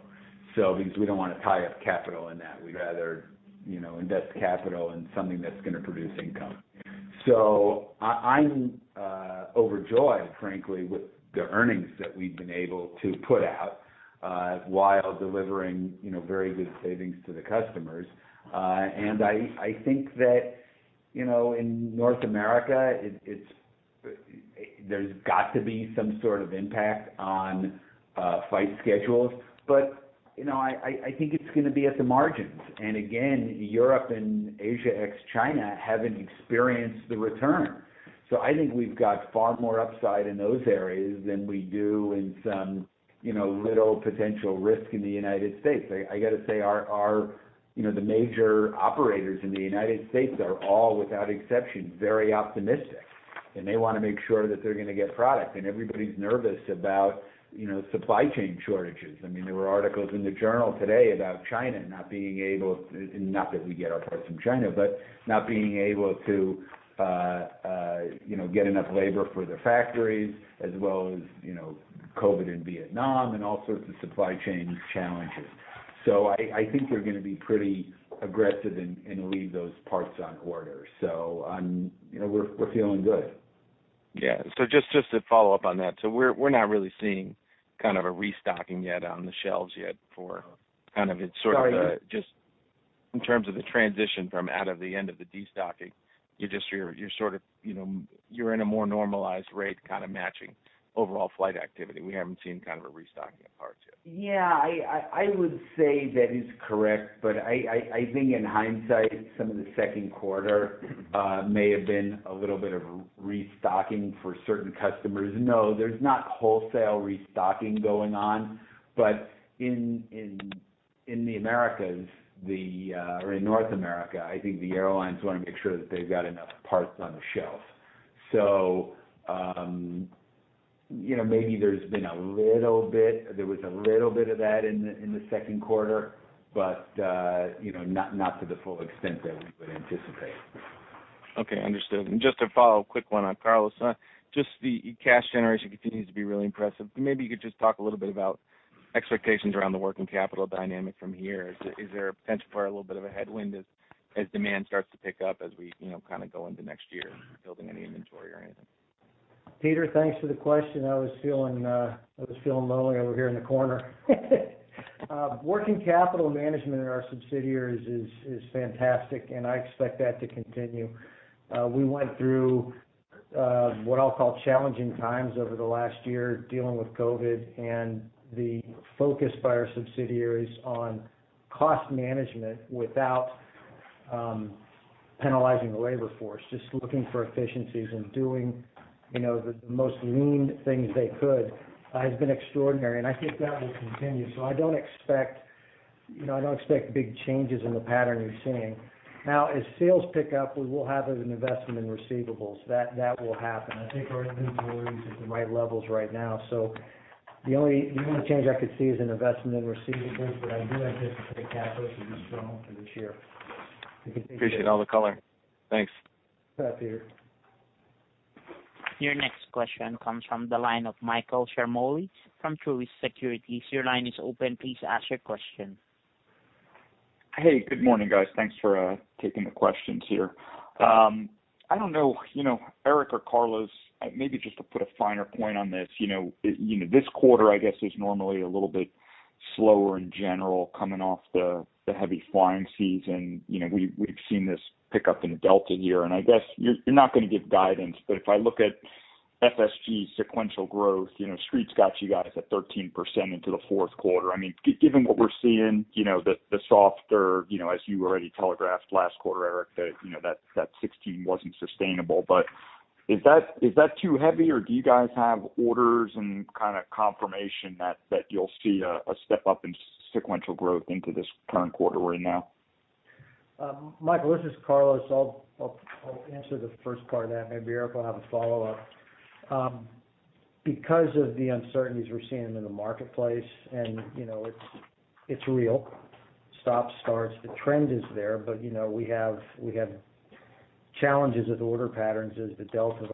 We don't want to tie up capital in that. We'd rather invest capital in something that's going to produce income. I'm overjoyed, frankly, with the earnings that we've been able to put out, while delivering very good savings to the customers. I think that in North America, there's got to be some sort of impact on flight schedules. I think it's going to be at the margins. Again, Europe and Asia ex China haven't experienced the return. I think we've got far more upside in those areas than we do in some little potential risk in the U.S. I got to say, the major operators in the U.S. are all, without exception, very optimistic, and they want to make sure that they're going to get product. Everybody's nervous about supply chain shortages. There were articles in the journal today about China not that we get our parts from China, but not being able to get enough labor for the factories as well as COVID in Vietnam and all sorts of supply chain challenges. I think they're going to be pretty aggressive and leave those parts on order. So, we're feeling good. Yeah. Just to follow up on that. We're not really seeing a restocking yet on the shelves yet for. Sorry? In terms of the transition from out of the end of the de-stocking, you're in a more normalized rate kind of matching overall flight activity. We haven't seen a restocking of parts yet. Yeah. I would say that is correct, but I think in hindsight, some of the second quarter may have been a little bit of restocking for certain customers. No, there's not wholesale restocking going on. In the Americas, or in North America, I think the airlines want to make sure that they've got enough parts on the shelf. Maybe there was a little bit of that in the second quarter, but not to the full extent that we would anticipate Okay. Understood. Just to follow, quick one on Carlos. Just the cash generation continues to be really impressive. Maybe you could just talk a little bit about expectations around the working capital dynamic from here. Is there a potential for a little bit of a headwind as demand starts to pick up, as we go into next year, building any inventory or anything? Peter, thanks for the question. I was feeling lonely over here in the corner. Working capital management in our subsidiaries is fantastic, and I expect that to continue. We went through what I'll call challenging times over the last year, dealing with COVID, and the focus by our subsidiaries on cost management without penalizing the labor force, just looking for efficiencies and doing the most lean things they could, has been extraordinary, and I think that will continue. I don't expect big changes in the pattern you're seeing. Now, as sales pick up, we will have an investment in receivables. That will happen. I think our inventories is the right levels right now. The only change I could see is an investment in receivables, but I do anticipate capital to be strong through this year. Appreciate all the color. Thanks. Bye, Peter. Your next question comes from the line of Michael Ciarmoli from Truist Securities. Your line is open. Please ask your question. Hey, good morning, guys. Thanks for taking the questions here. I don't know, Eric or Carlos, maybe just to put a finer point on this. This quarter, I guess, is normally a little bit slower in general coming off the heavy flying season. We've seen this pick up in the Delta year, and I guess you're not going to give guidance, but if I look at FSG's sequential growth, Street's got you guys at 13% into the fourth quarter. Given what we're seeing, the softer, as you already telegraphed last quarter, Eric, that 16 wasn't sustainable. Is that too heavy, or do you guys have orders and kind of confirmation that you'll see a step-up in sequential growth into this current quarter we're in now? Michael, this is Carlos. I'll answer the first part of that, maybe Eric will have a follow-up. Because of the uncertainties we're seeing in the marketplace, and it's real. Stop-starts, the trend is there, but we have challenges with order patterns as the Delta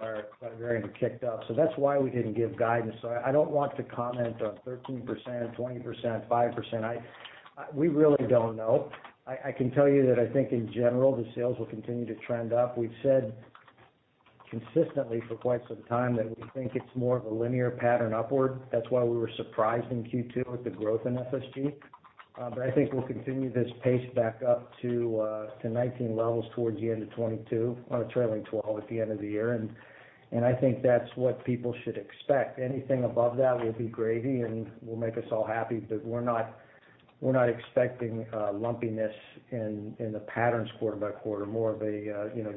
variant kicked up. That's why we didn't give guidance. I don't want to comment on 13%, 20%, 5%. We really don't know. I can tell you that I think in general, the sales will continue to trend up. We've said consistently for quite some time that we think it's more of a linear pattern upward. That's why we were surprised in Q2 with the growth in FSG. I think we'll continue this pace back up to 2019 levels towards the end of 2022 on a trailing 12 at the end of the year, and I think that's what people should expect. Anything above that will be gravy and will make us all happy, but we're not expecting lumpiness in the patterns quarter by quarter, more of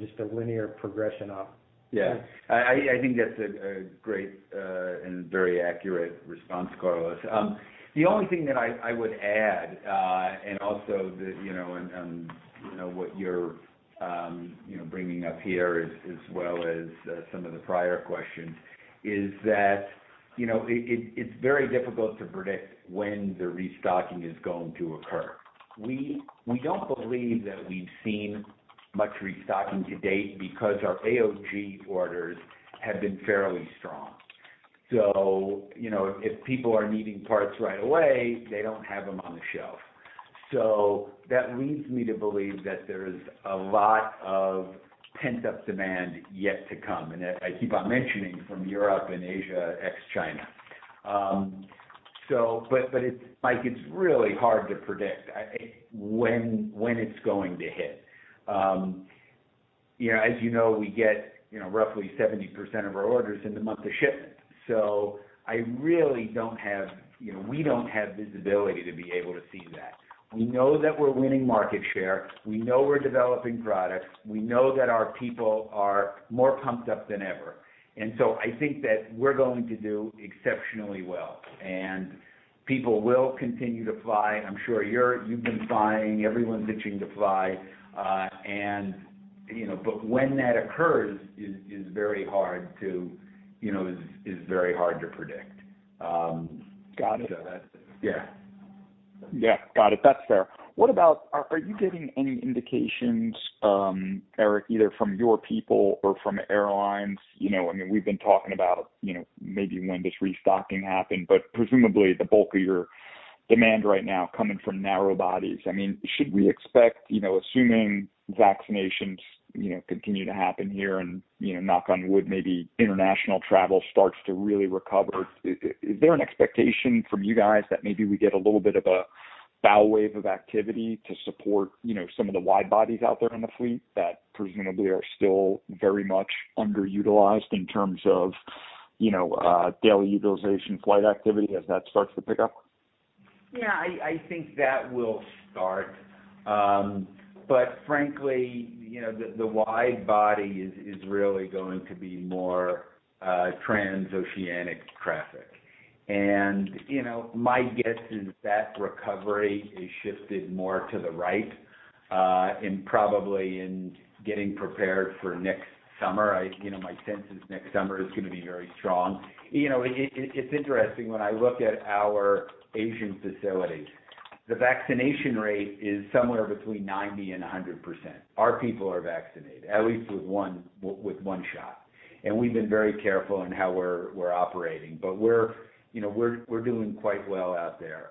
just a linear progression up. Yeah. I think that's a great and very accurate response, Carlos. The only thing that I would add, and also what you're bringing up here as well as some of the prior questions, is that it's very difficult to predict when the restocking is going to occur. We don't believe that we've seen much restocking to date because our AOG orders have been fairly strong. If people are needing parts right away, they don't have them on the shelf. That leads me to believe that there's a lot of pent-up demand yet to come, and I keep on mentioning from Europe and Asia, ex-China. Mike, it's really hard to predict when it's going to hit. As you know, we get roughly 70% of our orders in the month of shipment, so we don't have visibility to be able to see that. We know that we're winning market share. We know we're developing products. We know that our people are more pumped up than ever. I think that we're going to do exceptionally well, and people will continue to fly. I'm sure you've been flying, everyone's itching to fly. When that occurs is very hard to predict. Got it. Yeah. Yeah. Got it. That's fair. Are you getting any indications, Eric, either from your people or from airlines? We've been talking about maybe when this restocking happened, but presumably the bulk of your demand right now coming from narrow bodies. Should we expect, assuming vaccinations continue to happen here and, knock on wood, maybe international travel starts to really recover? Is there an expectation from you guys that maybe we get a little bit of a bow wave of activity to support some of the wide bodies out there in the fleet that presumably are still very much underutilized in terms of daily utilization flight activity as that starts to pick up? Yeah, I think that will start. Frankly, the wide body is really going to be more transoceanic traffic. My guess is that recovery is shifted more to the right, and probably in getting prepared for next summer. My sense is next summer is going to be very strong. It's interesting, when I look at our Asian facilities, the vaccination rate is somewhere between 90% and 100%. Our people are vaccinated, at least with one shot, and we've been very careful in how we're operating. We're doing quite well out there.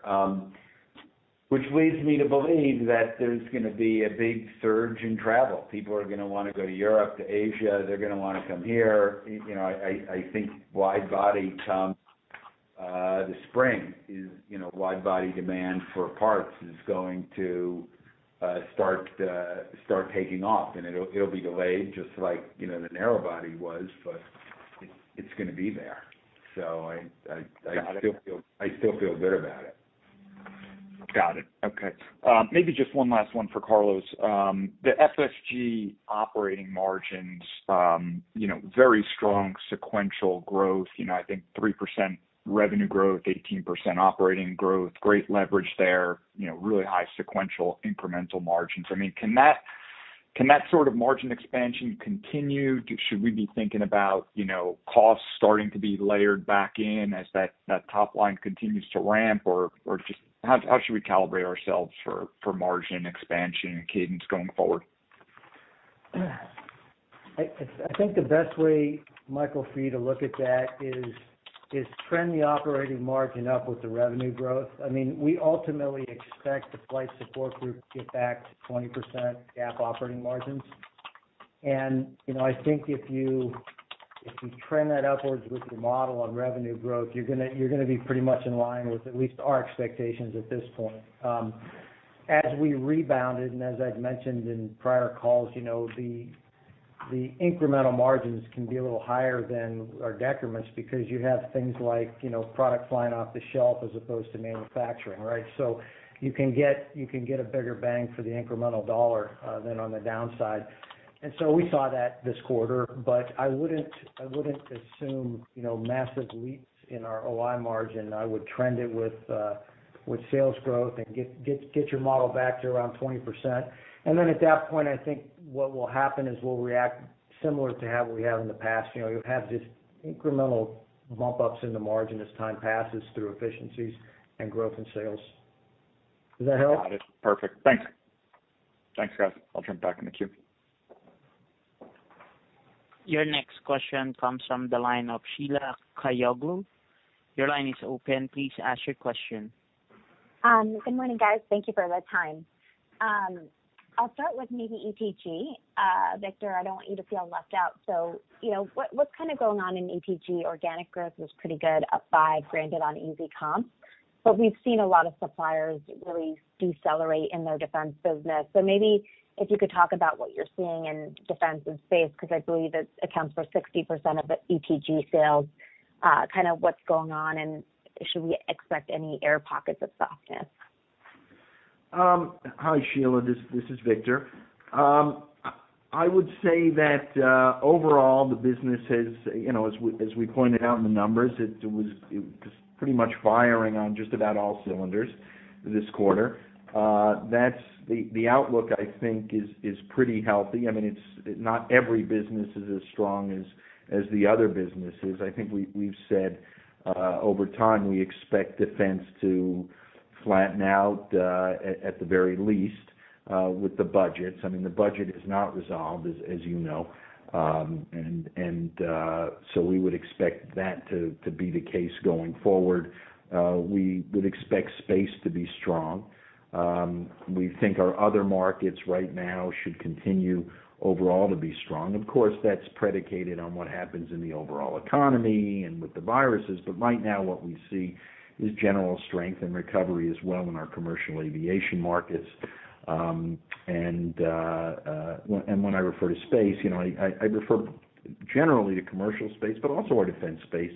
Which leads me to believe that there's going to be a big surge in travel. People are going to want to go to Europe, to Asia, they're going to want to come here. I think wide body come the spring is wide body demand for parts is going to start taking off, and it'll be delayed just like the narrow body was, but it's going to be there. Got it. I still feel good about it. Got it. Okay. Maybe just one last one for Carlos. The FSG operating margins, very strong sequential growth. I think 3% revenue growth, 18% operating growth, great leverage there, really high sequential incremental margins. Can that sort of margin expansion continue? Should we be thinking about costs starting to be layered back in as that top line continues to ramp, or just how should we calibrate ourselves for margin expansion and cadence going forward? I think the best way, Michael, for you to look at that is trend the operating margin up with the revenue growth. We ultimately expect the Flight Support Group to get back to 20% GAAP operating margins. I think if you trend that upwards with your model on revenue growth, you're going to be pretty much in line with at least our expectations at this point. As we rebounded, and as I've mentioned in prior calls, the incremental margins can be a little higher than our decrements because you have things like, product flying off the shelf as opposed to manufacturing, right? You can get a bigger bang for the incremental dollar than on the downside. We saw that this quarter, but I wouldn't assume massive leaps in our OI margin. I would trend it with sales growth and get your model back to around 20%. At that point, I think what will happen is we'll react similar to how we have in the past. You'll have this incremental bump ups in the margin as time passes through efficiencies and growth in sales. Does that help? Got it. Perfect. Thanks. Thanks, guys. I'll jump back in the queue. Your next question comes from the line of Sheila Kahyaoglu. Your line is open. Please ask your question. Good morning, guys. Thank you for the time. I'll start with maybe ETG. Victor, I don't want you to feel left out. What's kind of going on in ETG? Organic growth was pretty good, up 5, granted on easy comp. We've seen a lot of suppliers really decelerate in their defense business. Maybe if you could talk about what you're seeing in defense and space, because I believe it accounts for 60% of the ETG sales, what's going on, and should we expect any air pockets of softness? Hi, Sheila. This is Victor. I would say that, overall the business has, as we pointed out in the numbers, it was just pretty much firing on just about all cylinders this quarter. The outlook, I think, is pretty healthy. Not every business is as strong as the other business is. I think we've said, over time, we expect defense to flatten out, at the very least, with the budgets. The budget is not resolved, as you know. We would expect that to be the case going forward. We would expect space to be strong. We think our other markets right now should continue overall to be strong. Of course, that's predicated on what happens in the overall economy and with the viruses. Right now what we see is general strength and recovery as well in our commercial aviation markets. When I refer to space, I refer generally to commercial space, but also our defense space.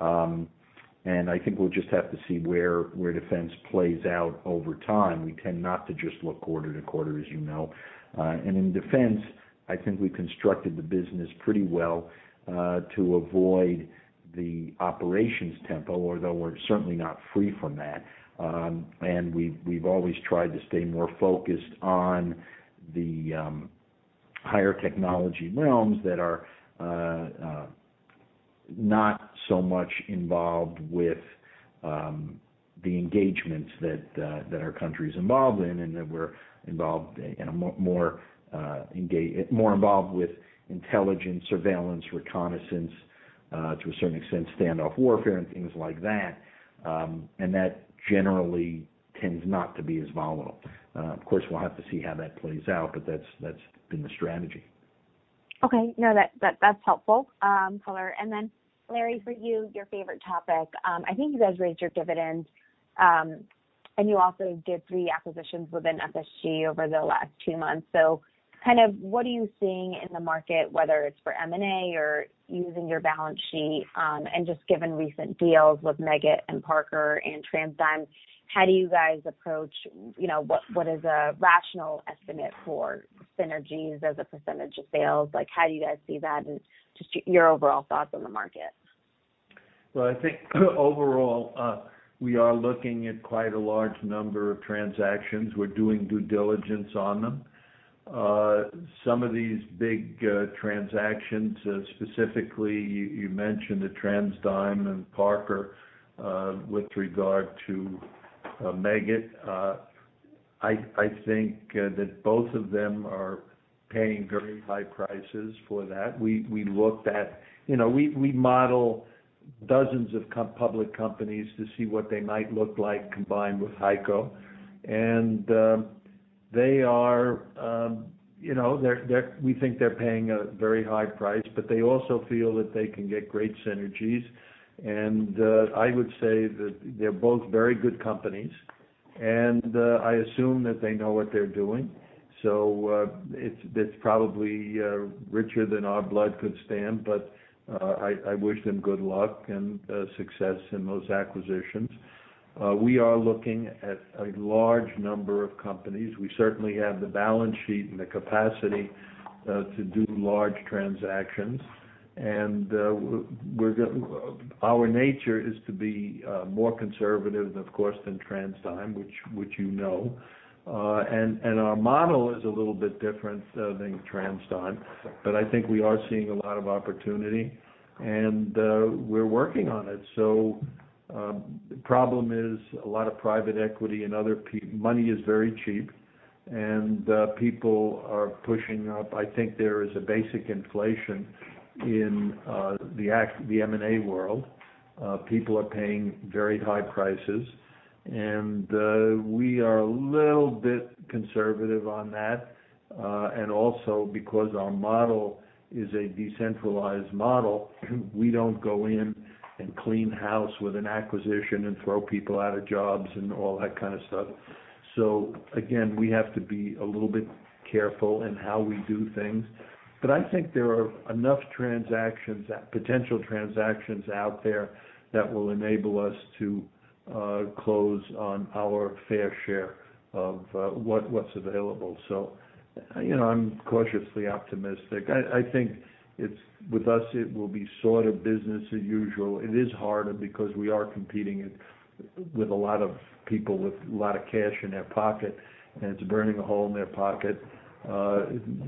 I think we'll just have to see where defense plays out over time. We tend not to just look quarter to quarter, as you know. In defense, I think we constructed the business pretty well, to avoid the operations tempo, although we're certainly not free from that. We've always tried to stay more focused on the higher technology realms that are not so much involved with the engagements that our country is involved in, and that we're more involved with intelligence, surveillance, reconnaissance, to a certain extent, standoff warfare and things like that. That generally tends not to be as volatile. Of course, we'll have to see how that plays out, but that's been the strategy. Okay. No, that's helpful. Larry, for you, your favorite topic. I think you guys raised your dividends. You also did three acquisitions within FSG over the last two months. What are you seeing in the market, whether it's for M&A or using your balance sheet, and just given recent deals with Meggitt and Parker Hannifin and TransDigm, how do you guys approach, what is a rational estimate for synergies as a percentage of sales? How do you guys see that and just your overall thoughts on the market? Well, I think overall, we are looking at quite a large number of transactions. We're doing due diligence on them. Some of these big transactions, specifically, you mentioned the TransDigm and Parker, with regard to Meggitt. I think that both of them are paying very high prices for that. We model dozens of public companies to see what they might look like combined with HEICO. We think they're paying a very high price, but they also feel that they can get great synergies. I would say that they're both very good companies, and I assume that they know what they're doing. It's probably richer than our blood could stand, but, I wish them good luck and success in those acquisitions. We are looking at a large number of companies. We certainly have the balance sheet and the capacity to do large transactions. Our nature is to be more conservative, of course, than TransDigm, which you know. Our model is a little bit different than TransDigm, but I think we are seeing a lot of opportunity and we're working on it. The problem is a lot of private equity and money is very cheap, and people are pushing up. I think there is a basic inflation in the M&A world. People are paying very high prices, we are a little bit conservative on that. Also because our model is a decentralized model, we don't go in and clean house with an acquisition and throw people out of jobs and all that kind of stuff. Again, we have to be a little bit careful in how we do things. I think there are enough potential transactions out there that will enable us to close on our fair share of what's available. I'm cautiously optimistic. I think with us, it will be sort of business as usual. It is harder because we are competing with a lot of people with a lot of cash in their pocket, and it's burning a hole in their pocket.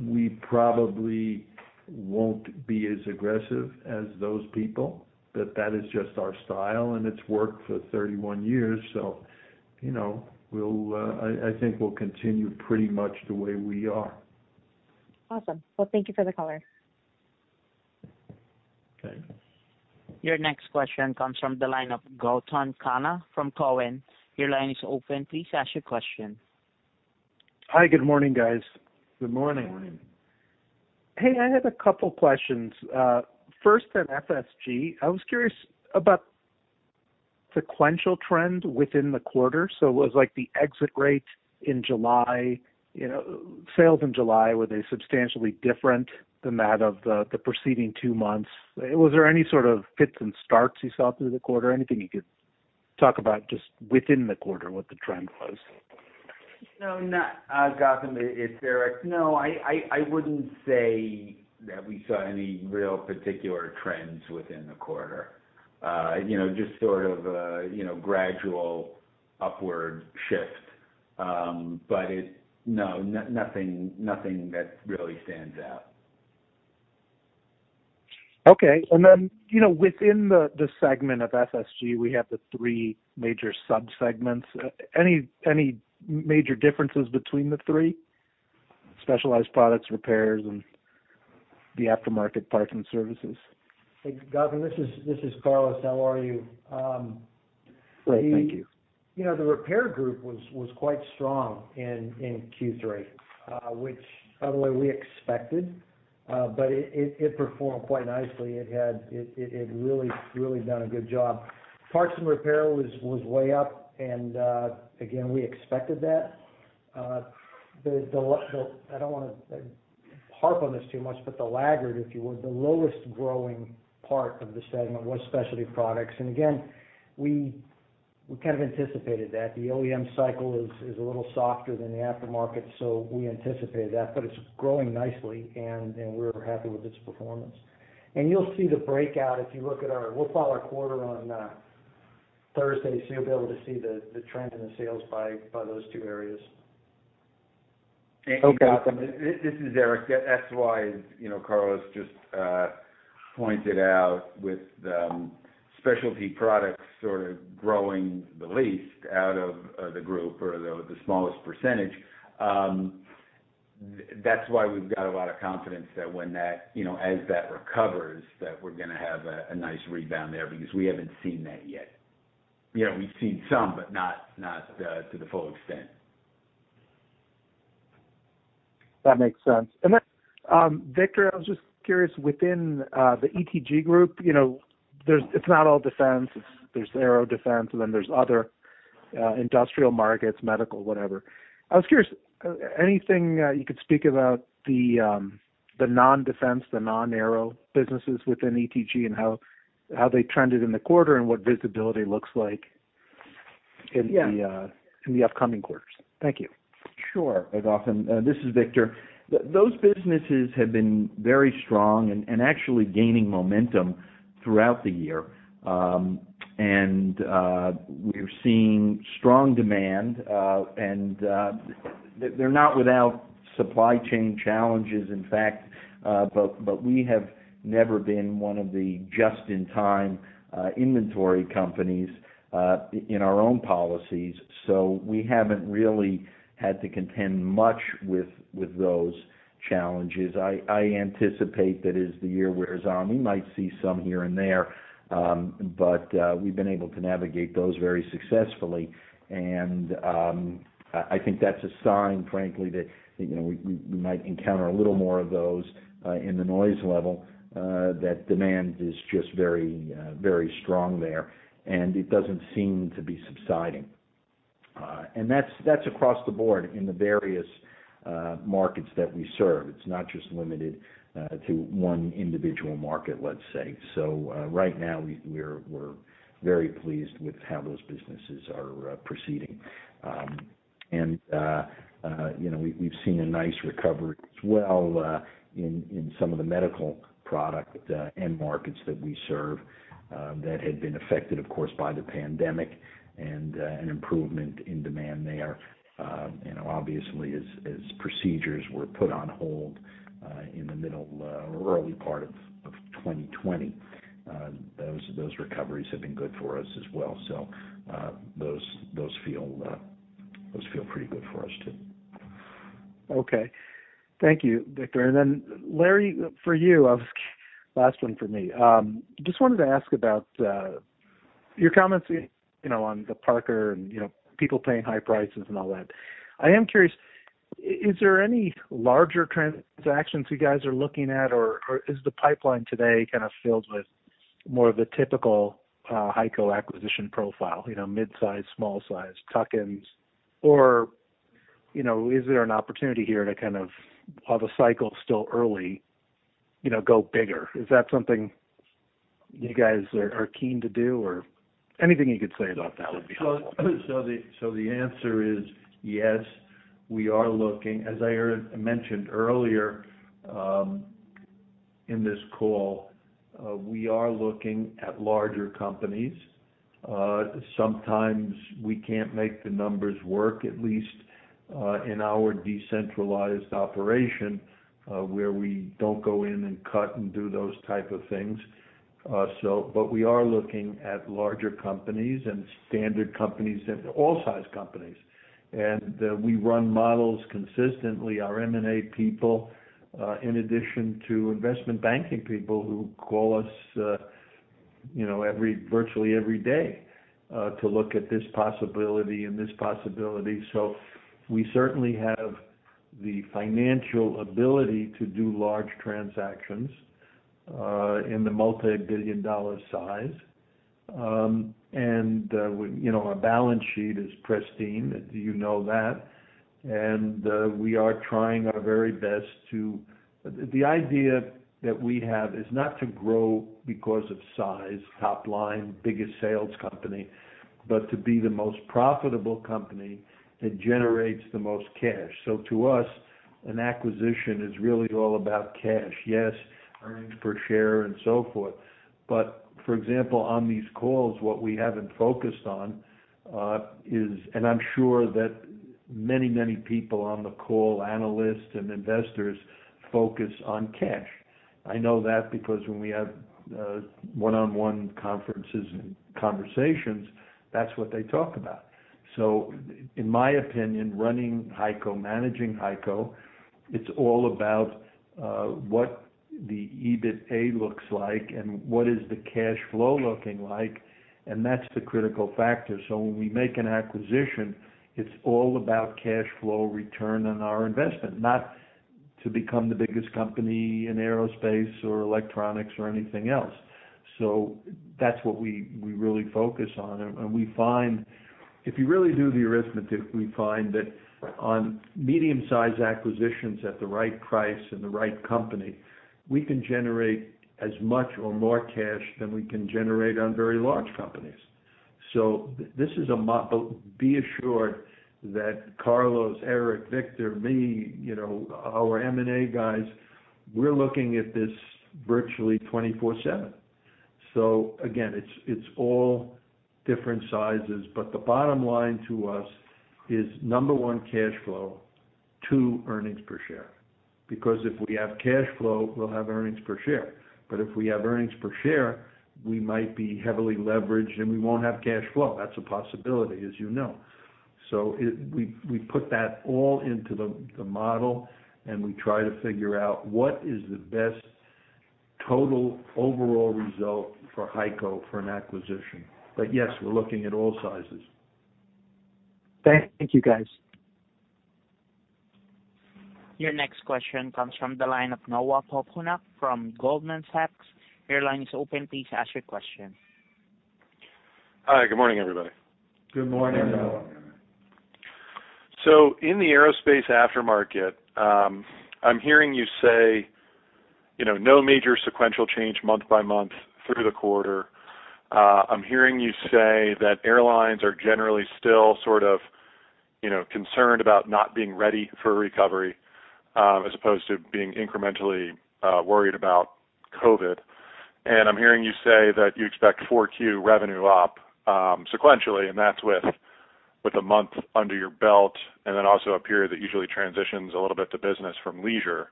We probably won't be as aggressive as those people, but that is just our style, and it's worked for 31 years. I think we'll continue pretty much the way we are. Awesome. Well, thank you for the color. Okay. Your next question comes from the line of Gautam Khanna from Cowen. Your line is open. Please ask your question. Hi, good morning, guys. Good morning. Good morning. Hey, I had a couple questions. First on FSG, I was curious about sequential trend within the quarter. Was like the exit rate in July, sales in July, were they substantially different than that of the preceding two months? Was there any sort of fits and starts you saw through the quarter? Anything you could talk about just within the quarter, what the trend was? No, Gautam, it's Eric. No, I wouldn't say that we saw any real particular trends within the quarter. Just sort of a gradual upward shift. No, nothing that really stands out. Okay. Within the segment of FSG, we have the three major subsegments. Any major differences between the three, specialized products, repairs, and the aftermarket parts and services? Hey, Gautam, this is Carlos. How are you? Great, thank you. The repair group was quite strong in Q3, which by the way, we expected. It performed quite nicely. It had really done a good job. Parts and repair was way up. Again, we expected that. I don't want to harp on this too much. The laggard, if you would, the lowest growing part of the segment was specialty products. Again, we kind of anticipated that. The OEM cycle is a little softer than the aftermarket. We anticipated that. It's growing nicely. We're happy with its performance. You'll see the breakout. We'll file our quarter on Thursday. You'll be able to see the trend in the sales by those two areas. Okay. Gautam, this is Eric. That's why, Carlos just pointed out with the specialty products sort of growing the least out of the group or the smallest percentage, that's why we've got a lot of confidence that when that recovers, that we're going to have a nice rebound there because we haven't seen that yet. We've seen some, but not to the full extent. That makes sense. Victor, I was just curious within the ETG group, it's not all defense, there's aero defense and then there's other industrial markets, medical, whatever. I was curious, anything you could speak about the non-defense, the non-aero businesses within ETG and how they trended in the quarter and what visibility looks like. Yeah. In the upcoming quarters? Thank you. Sure. Gautam. This is Victor. Those businesses have been very strong and actually gaining momentum throughout the year. We are seeing strong demand. They're not without supply chain challenges, in fact, but we have never been one of the just-in-time inventory companies in our own policies, so we haven't really had to contend much with those challenges. I anticipate that as the year wears on, we might see some here and there. We've been able to navigate those very successfully. I think that's a sign, frankly, that we might encounter a little more of those in the noise level, that demand is just very strong there, and it doesn't seem to be subsiding. That's across the board in the various markets that we serve. It's not just limited to one individual market, let's say. Right now, we're very pleased with how those businesses are proceeding. We've seen a nice recovery as well in some of the medical product end markets that we serve that had been affected, of course, by the pandemic and an improvement in demand there. Obviously as procedures were put on hold in the middle or early part of 2020. Those recoveries have been good for us as well. Those feel pretty good for us, too. Okay. Thank you, Victor. Larry, for you, last one for me. Just wanted to ask about your comments on the Parker and people paying high prices and all that. I am curious, is there any larger transactions you guys are looking at, or is the pipeline today kind of filled with more of the typical HEICO acquisition profile, midsize, small size tuck-ins? Is there an opportunity here to kind of, while the cycle's still early, go bigger? Is that something you guys are keen to do or anything you could say about that would be helpful. The answer is yes, we are looking. As I mentioned earlier in this call, we are looking at larger companies. Sometimes we can't make the numbers work, at least in our decentralized operation, where we don't go in and cut and do those type of things. We are looking at larger companies and standard companies and all size companies. We run models consistently, our M&A people, in addition to investment banking people who call us virtually every day, to look at this possibility and this possibility. We certainly have the financial ability to do large transactions, in the multi-billion dollar size. Our balance sheet is pristine, you know that. The idea that we have is not to grow because of size, top line, biggest sales company, but to be the most profitable company that generates the most cash. To us, an acquisition is really all about cash. Yes, earnings per share and so forth. For example, on these calls, what we haven't focused on is And I'm sure that many people on the call, analysts and investors, focus on cash. I know that because when we have one-on-one conferences and conversations, that's what they talk about. In my opinion, running HEICO, managing HEICO, it's all about what the EBITDA looks like and what is the cash flow looking like, and that's the critical factor. When we make an acquisition, it's all about cash flow return on our investment, not to become the biggest company in aerospace or electronics or anything else. That's what we really focus on. If you really do the arithmetic, we find that on medium-size acquisitions at the right price and the right company, we can generate as much or more cash than we can generate on very large companies. Be assured that Carlos, Eric, Victor, me, our M&A guys, we're looking at this virtually 24/7. Again, it's all different sizes. The bottom line to us is, number one, cash flow, two, earnings per share. Because if we have cash flow, we'll have earnings per share. But if we have earnings per share, we might be heavily leveraged, and we won't have cash flow. That's a possibility, as you know. We put that all into the model, and we try to figure out what is the best total overall result for HEICO for an acquisition. Yes, we're looking at all sizes. Thank you, guys. Your next question comes from the line of Noah Poponak from Goldman Sachs. Your line is open, please ask your question. Hi. Good morning, everybody. Good morning, Noah. In the aerospace aftermarket, I'm hearing you say, no major sequential change month by month through the quarter. I'm hearing you say that airlines are generally still sort of concerned about not being ready for a recovery, as opposed to being incrementally worried about COVID-19. I'm hearing you say that you expect 4Q revenue up sequentially, and that's with 1 month under your belt, and also a period that usually transitions a little bit to business from leisure.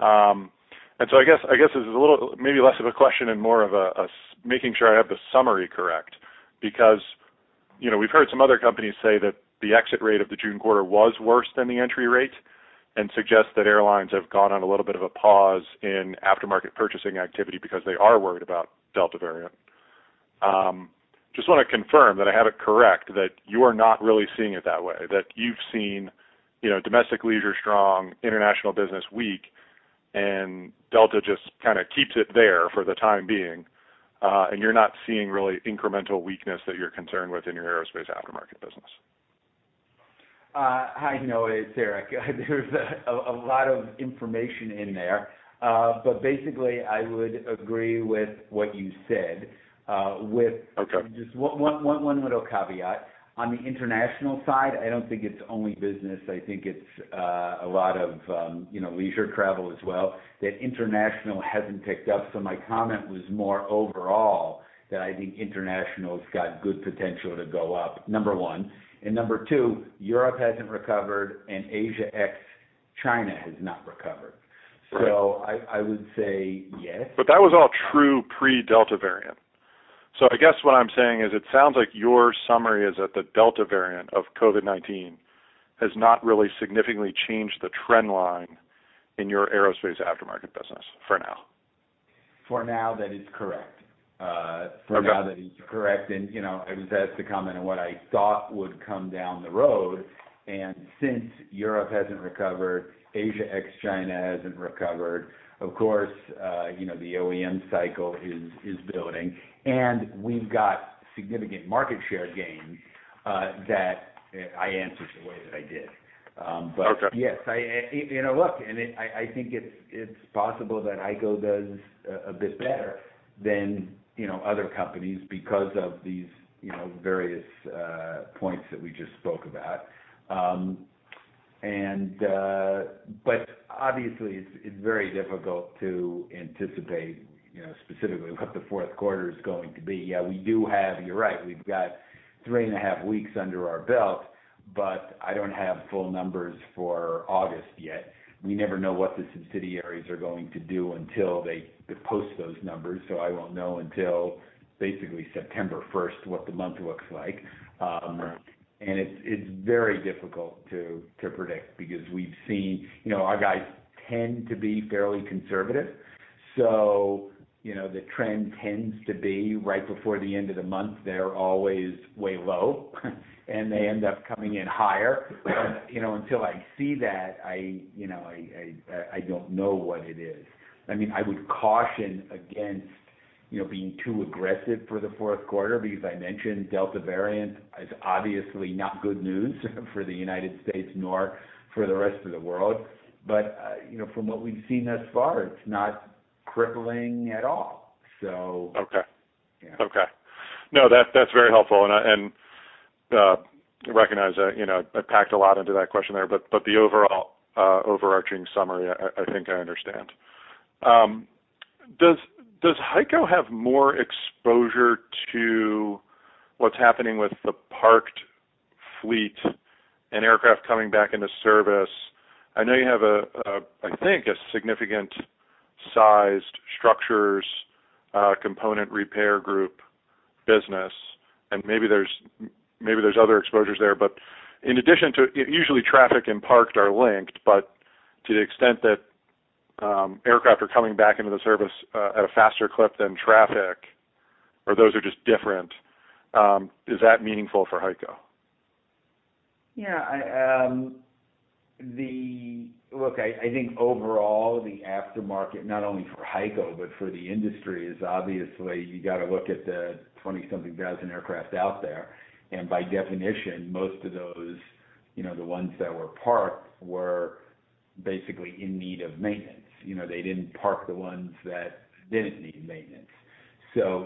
I guess this is maybe less of a question and more of making sure I have the summary correct. We've heard some other companies say that the exit rate of the June quarter was worse than the entry rate and suggest that airlines have gone on a little bit of a pause in aftermarket purchasing activity because they are worried about Delta variant. Just want to confirm that I have it correct, that you are not really seeing it that way, that you've seen domestic leisure strong, international business weak, and Delta just kind of keeps it there for the time being, and you're not seeing really incremental weakness that you're concerned with in your aerospace aftermarket business. Hi, Noah. It's Eric. There's a lot of information in there. Basically, I would agree with what you said. Okay. One little caveat. On the international side, I don't think it's only business. I think it's a lot of leisure travel as well that international hasn't picked up. My comment was more overall that I think international's got good potential to go up, number one. Number two, Europe hasn't recovered, and Asia ex-China has not recovered. Right. I would say yes. That was all true pre-Delta variant. I guess what I'm saying is, it sounds like your summary is that the Delta variant of COVID-19 has not really significantly changed the trend line in your aerospace aftermarket business for now. For now, that is correct. Okay. For now, that is correct. I was asked to comment on what I thought would come down the road, and since Europe hasn't recovered, Asia ex China hasn't recovered, of course, the OEM cycle is building, and we've got significant market share gains, that I answered the way that I did. Okay. Yes. Look, I think it's possible that HEICO does a bit better than other companies because of these various points that we just spoke about. Obviously, it's very difficult to anticipate specifically what the fourth quarter is going to be. Yeah, you're right, we've got three and a half weeks under our belt, but I don't have full numbers for August yet. We never know what the subsidiaries are going to do until they post those numbers, so I won't know until basically September 1st what the month looks like. Right. It's very difficult to predict because we've seen our guys tend to be fairly conservative, so the trend tends to be right before the end of the month, they're always way low and they end up coming in higher. Right. Until I see that, I don't know what it is. I would caution against being too aggressive for the fourth quarter, because I mentioned Delta variant is obviously not good news for the United States nor for the rest of the world. From what we've seen thus far, it's not crippling at all. Okay. Yeah. Okay. No, that's very helpful. I recognize that I packed a lot into that question there, the overall overarching summary, I think I understand. Does HEICO have more exposure to what's happening with the parked fleet and aircraft coming back into service? I know you have, I think, a significant sized structures component repair group business, and maybe there's other exposures there. Usually traffic and parked are linked, to the extent that aircraft are coming back into the service at a faster clip than traffic, or those are just different, is that meaningful for HEICO? Yeah. Look, I think overall, the aftermarket, not only for HEICO but for the industry, is obviously you got to look at the 20-something thousand aircraft out there. By definition, most of those, the ones that were parked, were basically in need of maintenance. They didn't park the ones that didn't need maintenance.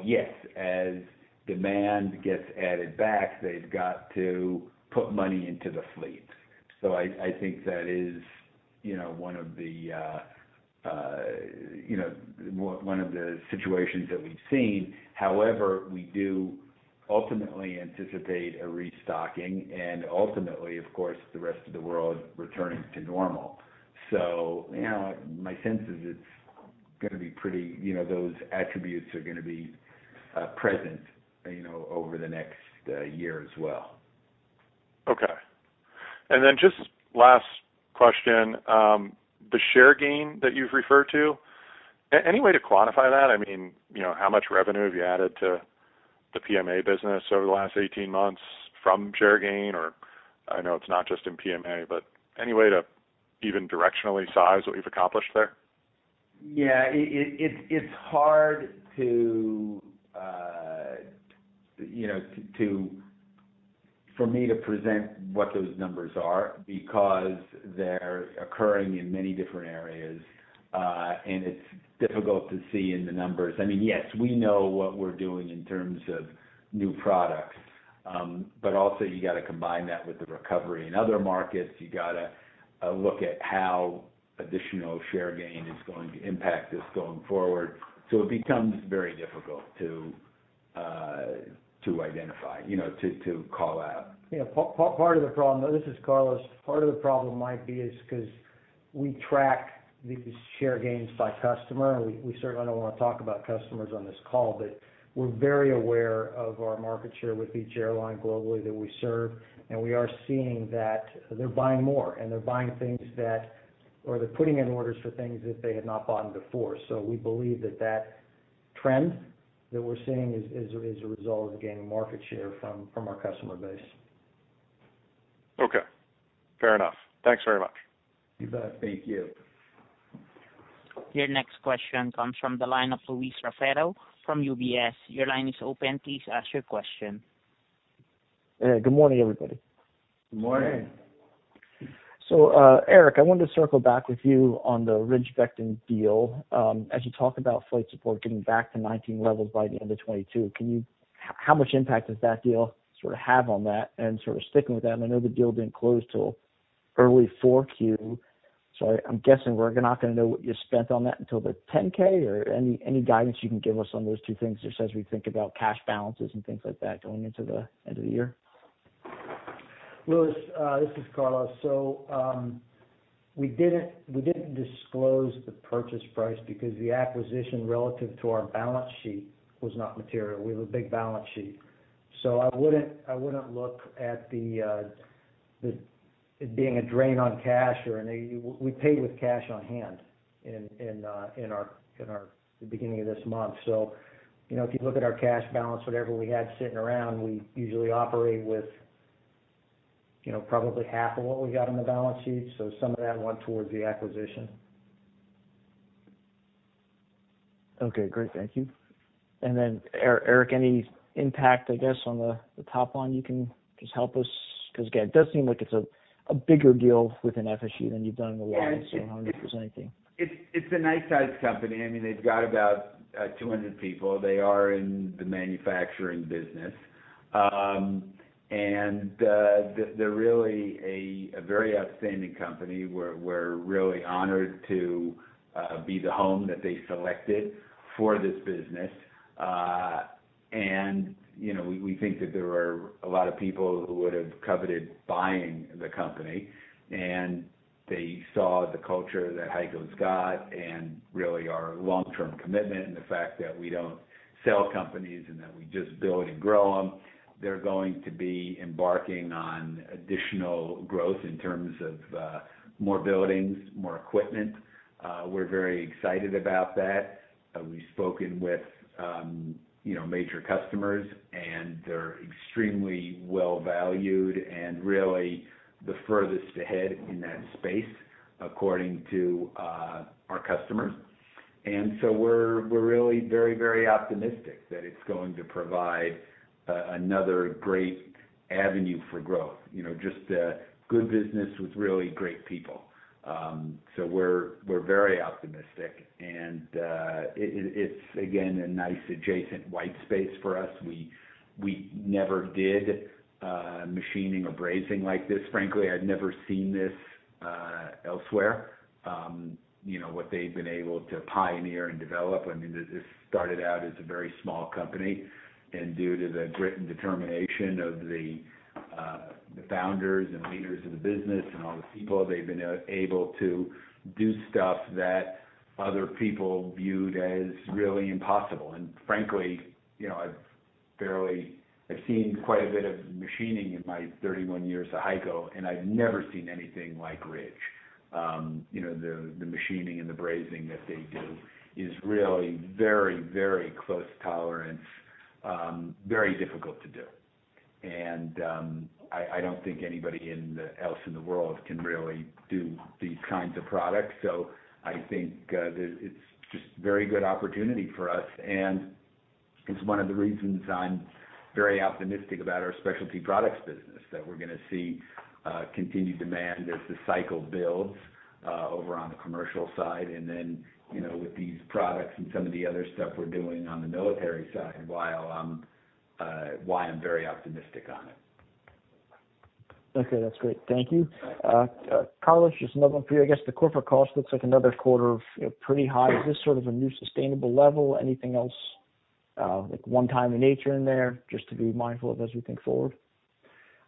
Yes, as demand gets added back, they've got to put money into the fleet. I think that is one of the situations that we've seen. However, we do ultimately anticipate a restocking and ultimately, of course, the rest of the world returning to normal. My sense is those attributes are going to be present over the next year as well. Okay. Just last question, the share gain that you've referred to, any way to quantify that? How much revenue have you added to the PMA business over the last 18 months from share gain, or I know it's not just in PMA, but any way to even directionally size what you've accomplished there? Yeah. It's hard for me to present what those numbers are because they're occurring in many different areas. It's difficult to see in the numbers. Yes, we know what we're doing in terms of new products. Also, you got to combine that with the recovery in other markets. You got to look at how additional share gain is going to impact us going forward. It becomes very difficult to identify, to call out. Part of the problem, this is Carlos. Part of the problem might be is because we track these share gains by customer. We certainly don't want to talk about customers on this call, but we're very aware of our market share with each airline globally that we serve, and we are seeing that they're buying more, or they're putting in orders for things that they had not bought before. We believe that that trend that we're seeing is a result of gaining market share from our customer base. Okay. Fair enough. Thanks very much. You bet. Thank you. Your next question comes from the line of Louis Raffetto from UBS. Your line is open. Please ask your question. Good morning, everybody. Good morning. Morning. Eric, I wanted to circle back with you on the Ridge Engineering deal. As you talk about flight support getting back to 2019 levels by the end of 2022, how much impact does that deal have on that? Sticking with that, and I know the deal didn't close till early 4Q, so I'm guessing we're not going to know what you spent on that until the 10-K, or any guidance you can give us on those two things, just as we think about cash balances and things like that going into the end of the year? Louis, this is Carlos. We didn't disclose the purchase price because the acquisition relative to our balance sheet was not material. We have a big balance sheet. I wouldn't look at it being a drain on cash. We paid with cash on hand in our beginning of this month. If you look at our cash balance, whatever we had sitting around, we usually operate with probably half of what we got on the balance sheet. Some of that went towards the acquisition. Okay, great. Thank you. Eric, any impact, I guess, on the top line you can just help us? Again, it does seem like it's a bigger deal within FSG than you've done in a while. 100% anything. It's a nice size company. They've got about 200 people. They are in the manufacturing business. They're really a very outstanding company. We're really honored to be the home that they selected for this business. We think that there are a lot of people who would've coveted buying the company, and they saw the culture that HEICO's got and really our long-term commitment, and the fact that we don't sell companies and that we just build and grow them. They're going to be embarking on additional growth in terms of more buildings, more equipment. We're very excited about that. We've spoken with major customers, and they're extremely well valued and really the furthest ahead in that space, according to our customers. We're really very optimistic that it's going to provide another great avenue for growth. Just a good business with really great people. We're very optimistic, and it's, again, a nice adjacent white space for us. We never did machining or brazing like this. Frankly, I'd never seen this elsewhere. What they've been able to pioneer and develop. This started out as a very small company, and due to the grit and determination of the founders and leaders of the business and all the people, they've been able to do stuff that other people viewed as really impossible. Frankly, I've seen quite a bit of machining in my 31 years at HEICO, and I've never seen anything like Ridge. The machining and the brazing that they do is really very close tolerance, very difficult to do. I don't think anybody else in the world can really do these kinds of products. I think that it's just very good opportunity for us, and it's one of the reasons I'm very optimistic about our specialty products business, that we're going to see continued demand as the cycle builds over on the commercial side. Then, with these products and some of the other stuff we're doing on the military side, why I'm very optimistic on it. Okay. That's great. Thank you. Carlos, just another one for you. I guess the corporate cost looks like another quarter of pretty high. Is this sort of a new sustainable level? Anything else like one-time in nature in there just to be mindful of as we think forward?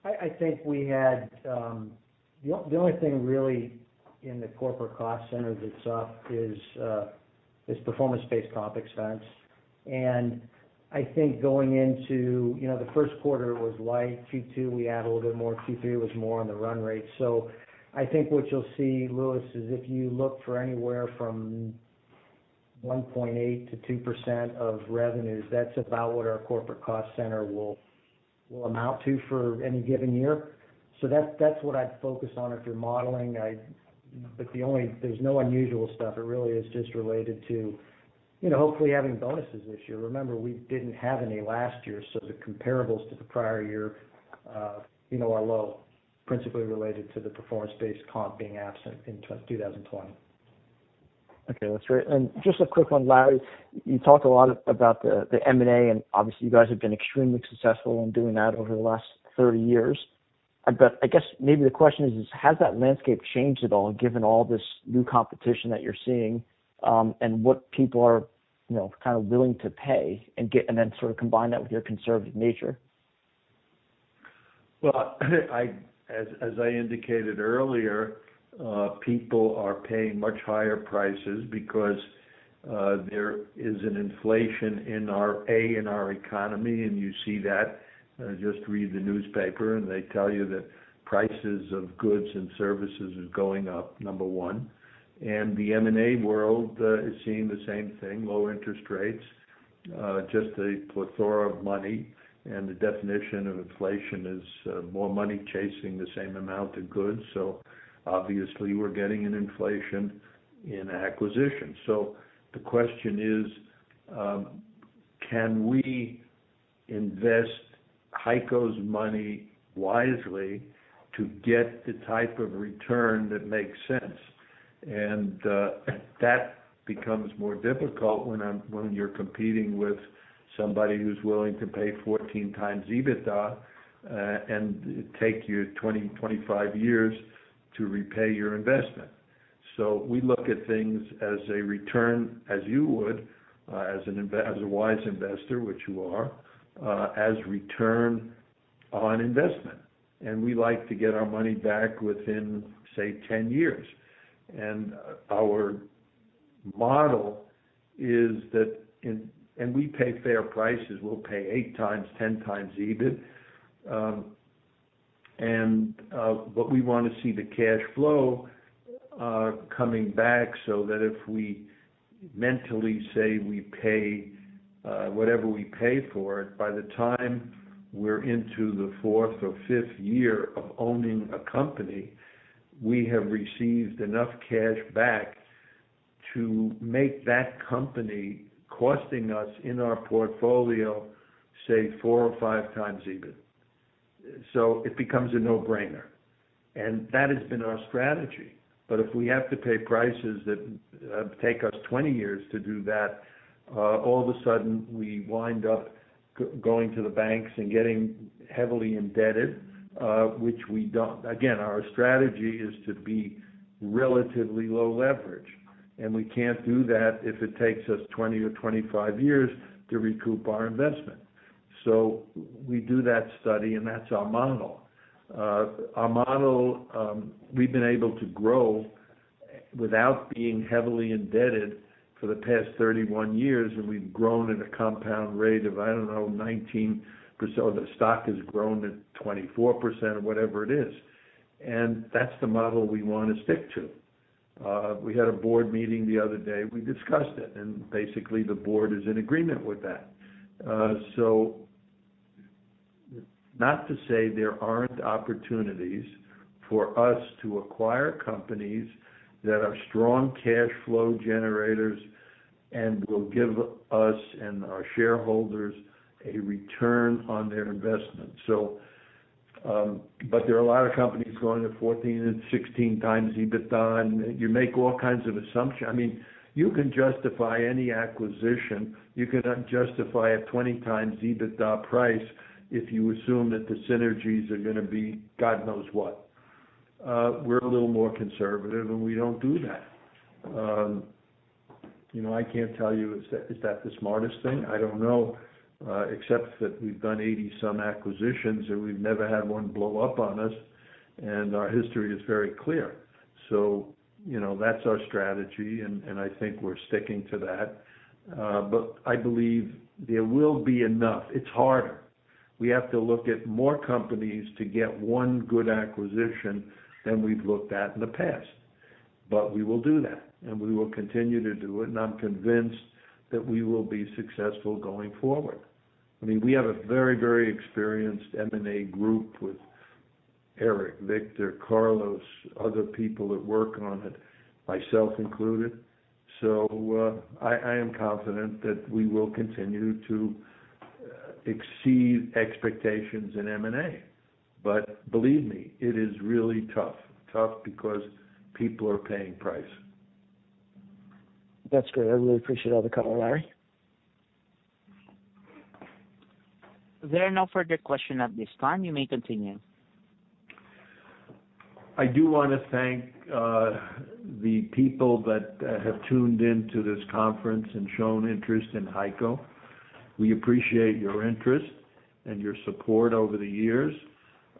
I think the only thing really in the corporate cost center that's up is performance-based comp expense. I think going into the first quarter was light. Q2 we add a little bit more, Q3 was more on the run rate. I think what you'll see, Louis, is if you look for anywhere from 1.8%-2% of revenues, that's about what our corporate cost center will amount to for any given year. That's what I'd focus on if you're modeling. There's no unusual stuff. It really is just related to hopefully having bonuses this year. Remember, we didn't have any last year, so the comparables to the prior year are low, principally related to the performance-based comp being absent in 2020. Okay. That's great. Just a quick one, Larry. You talked a lot about the M&A, and obviously you guys have been extremely successful in doing that over the last 30 years. I guess maybe the question is, has that landscape changed at all, given all this new competition that you're seeing, and what people are kind of willing to pay, and then sort of combine that with your conservative nature? Well, as I indicated earlier, people are paying much higher prices because there is an inflation in our economy, and you see that. Just read the newspaper and they tell you that prices of goods and services is going up, number one. The M&A world is seeing the same thing. Low interest rates, just a plethora of money. The definition of inflation is more money chasing the same amount of goods, so obviously we're getting an inflation in acquisition. The question is, can we invest HEICO's money wisely to get the type of return that makes sense? That becomes more difficult when you're competing with somebody who's willing to pay 14x EBITDA, and take you 20, 25 years to repay your investment. We look at things as a return, as you would, as a wise investor, which you are, as return on investment. We like to get our money back within, say, 10 years. Our model is that we pay fair prices. We'll pay 8x, 10x EBIT. We want to see the cash flow coming back so that if we mentally say we pay whatever we pay for it, by the time we're into the fourth or fifth year of owning a company, we have received enough cash back to make that company costing us in our portfolio, say, 4x or 5x EBIT. It becomes a no-brainer. That has been our strategy. If we have to pay prices that take us 20 years to do that, all of a sudden we wind up going to the banks and getting heavily indebted, which we don't. Again, our strategy is to be relatively low leverage, and we can't do that if it takes us 20-25 years to recoup our investment. We do that study, and that's our model. Our model, we've been able to grow without being heavily indebted for the past 31 years, and we've grown at a compound rate of, I don't know, 19%, or the stock has grown at 24%, or whatever it is. That's the model we want to stick to. We had a board meeting the other day, we discussed it, and basically, the board is in agreement with that. Not to say there aren't opportunities for us to acquire companies that are strong cash flow generators and will give us and our shareholders a return on their investment. There are a lot of companies going at 14x and 16x EBITDA, and you make all kinds of assumptions. You can justify any acquisition. You can justify a 20x EBITDA price if you assume that the synergies are going to be God knows what. We're a little more conservative, and we don't do that. I can't tell you, is that the smartest thing? I don't know, except that we've done 80 some acquisitions, and we've never had one blow up on us, and our history is very clear. That's our strategy, and I think we're sticking to that. I believe there will be enough. It's harder. We have to look at more companies to get one good acquisition than we've looked at in the past. We will do that, and we will continue to do it, and I'm convinced that we will be successful going forward. We have a very experienced M&A group with Eric, Victor, Carlos, other people that work on it, myself included. I am confident that we will continue to exceed expectations in M&A. Believe me, it is really tough. Tough because people are paying price. That's great. I really appreciate all the color, Larry. There are no further questions at this time. You may continue. I do want to thank the people that have tuned in to this conference and shown interest in HEICO. We appreciate your interest and your support over the years.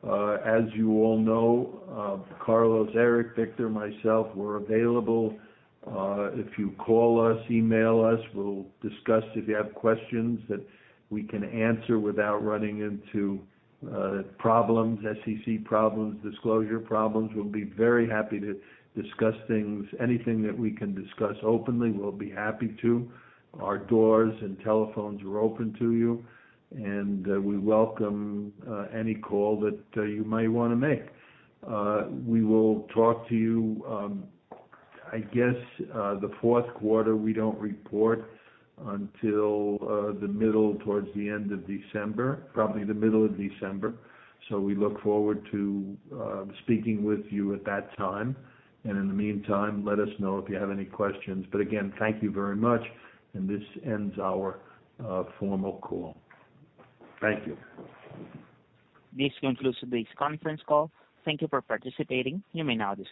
As you all know, Carlos, Eric, Victor, myself, we're available. If you call us, email us, we'll discuss if you have questions that we can answer without running into problems, SEC problems, disclosure problems. We'll be very happy to discuss things. Anything that we can discuss openly, we'll be happy to. Our doors and telephones are open to you. We welcome any call that you might want to make. We will talk to you, I guess, the fourth quarter, we don't report until the middle, towards the end of December. Probably the middle of December. We look forward to speaking with you at that time. In the meantime, let us know if you have any questions. Again, thank you very much, and this ends our formal call. Thank you. This concludes today's conference call. Thank you for participating. You may now disconnect.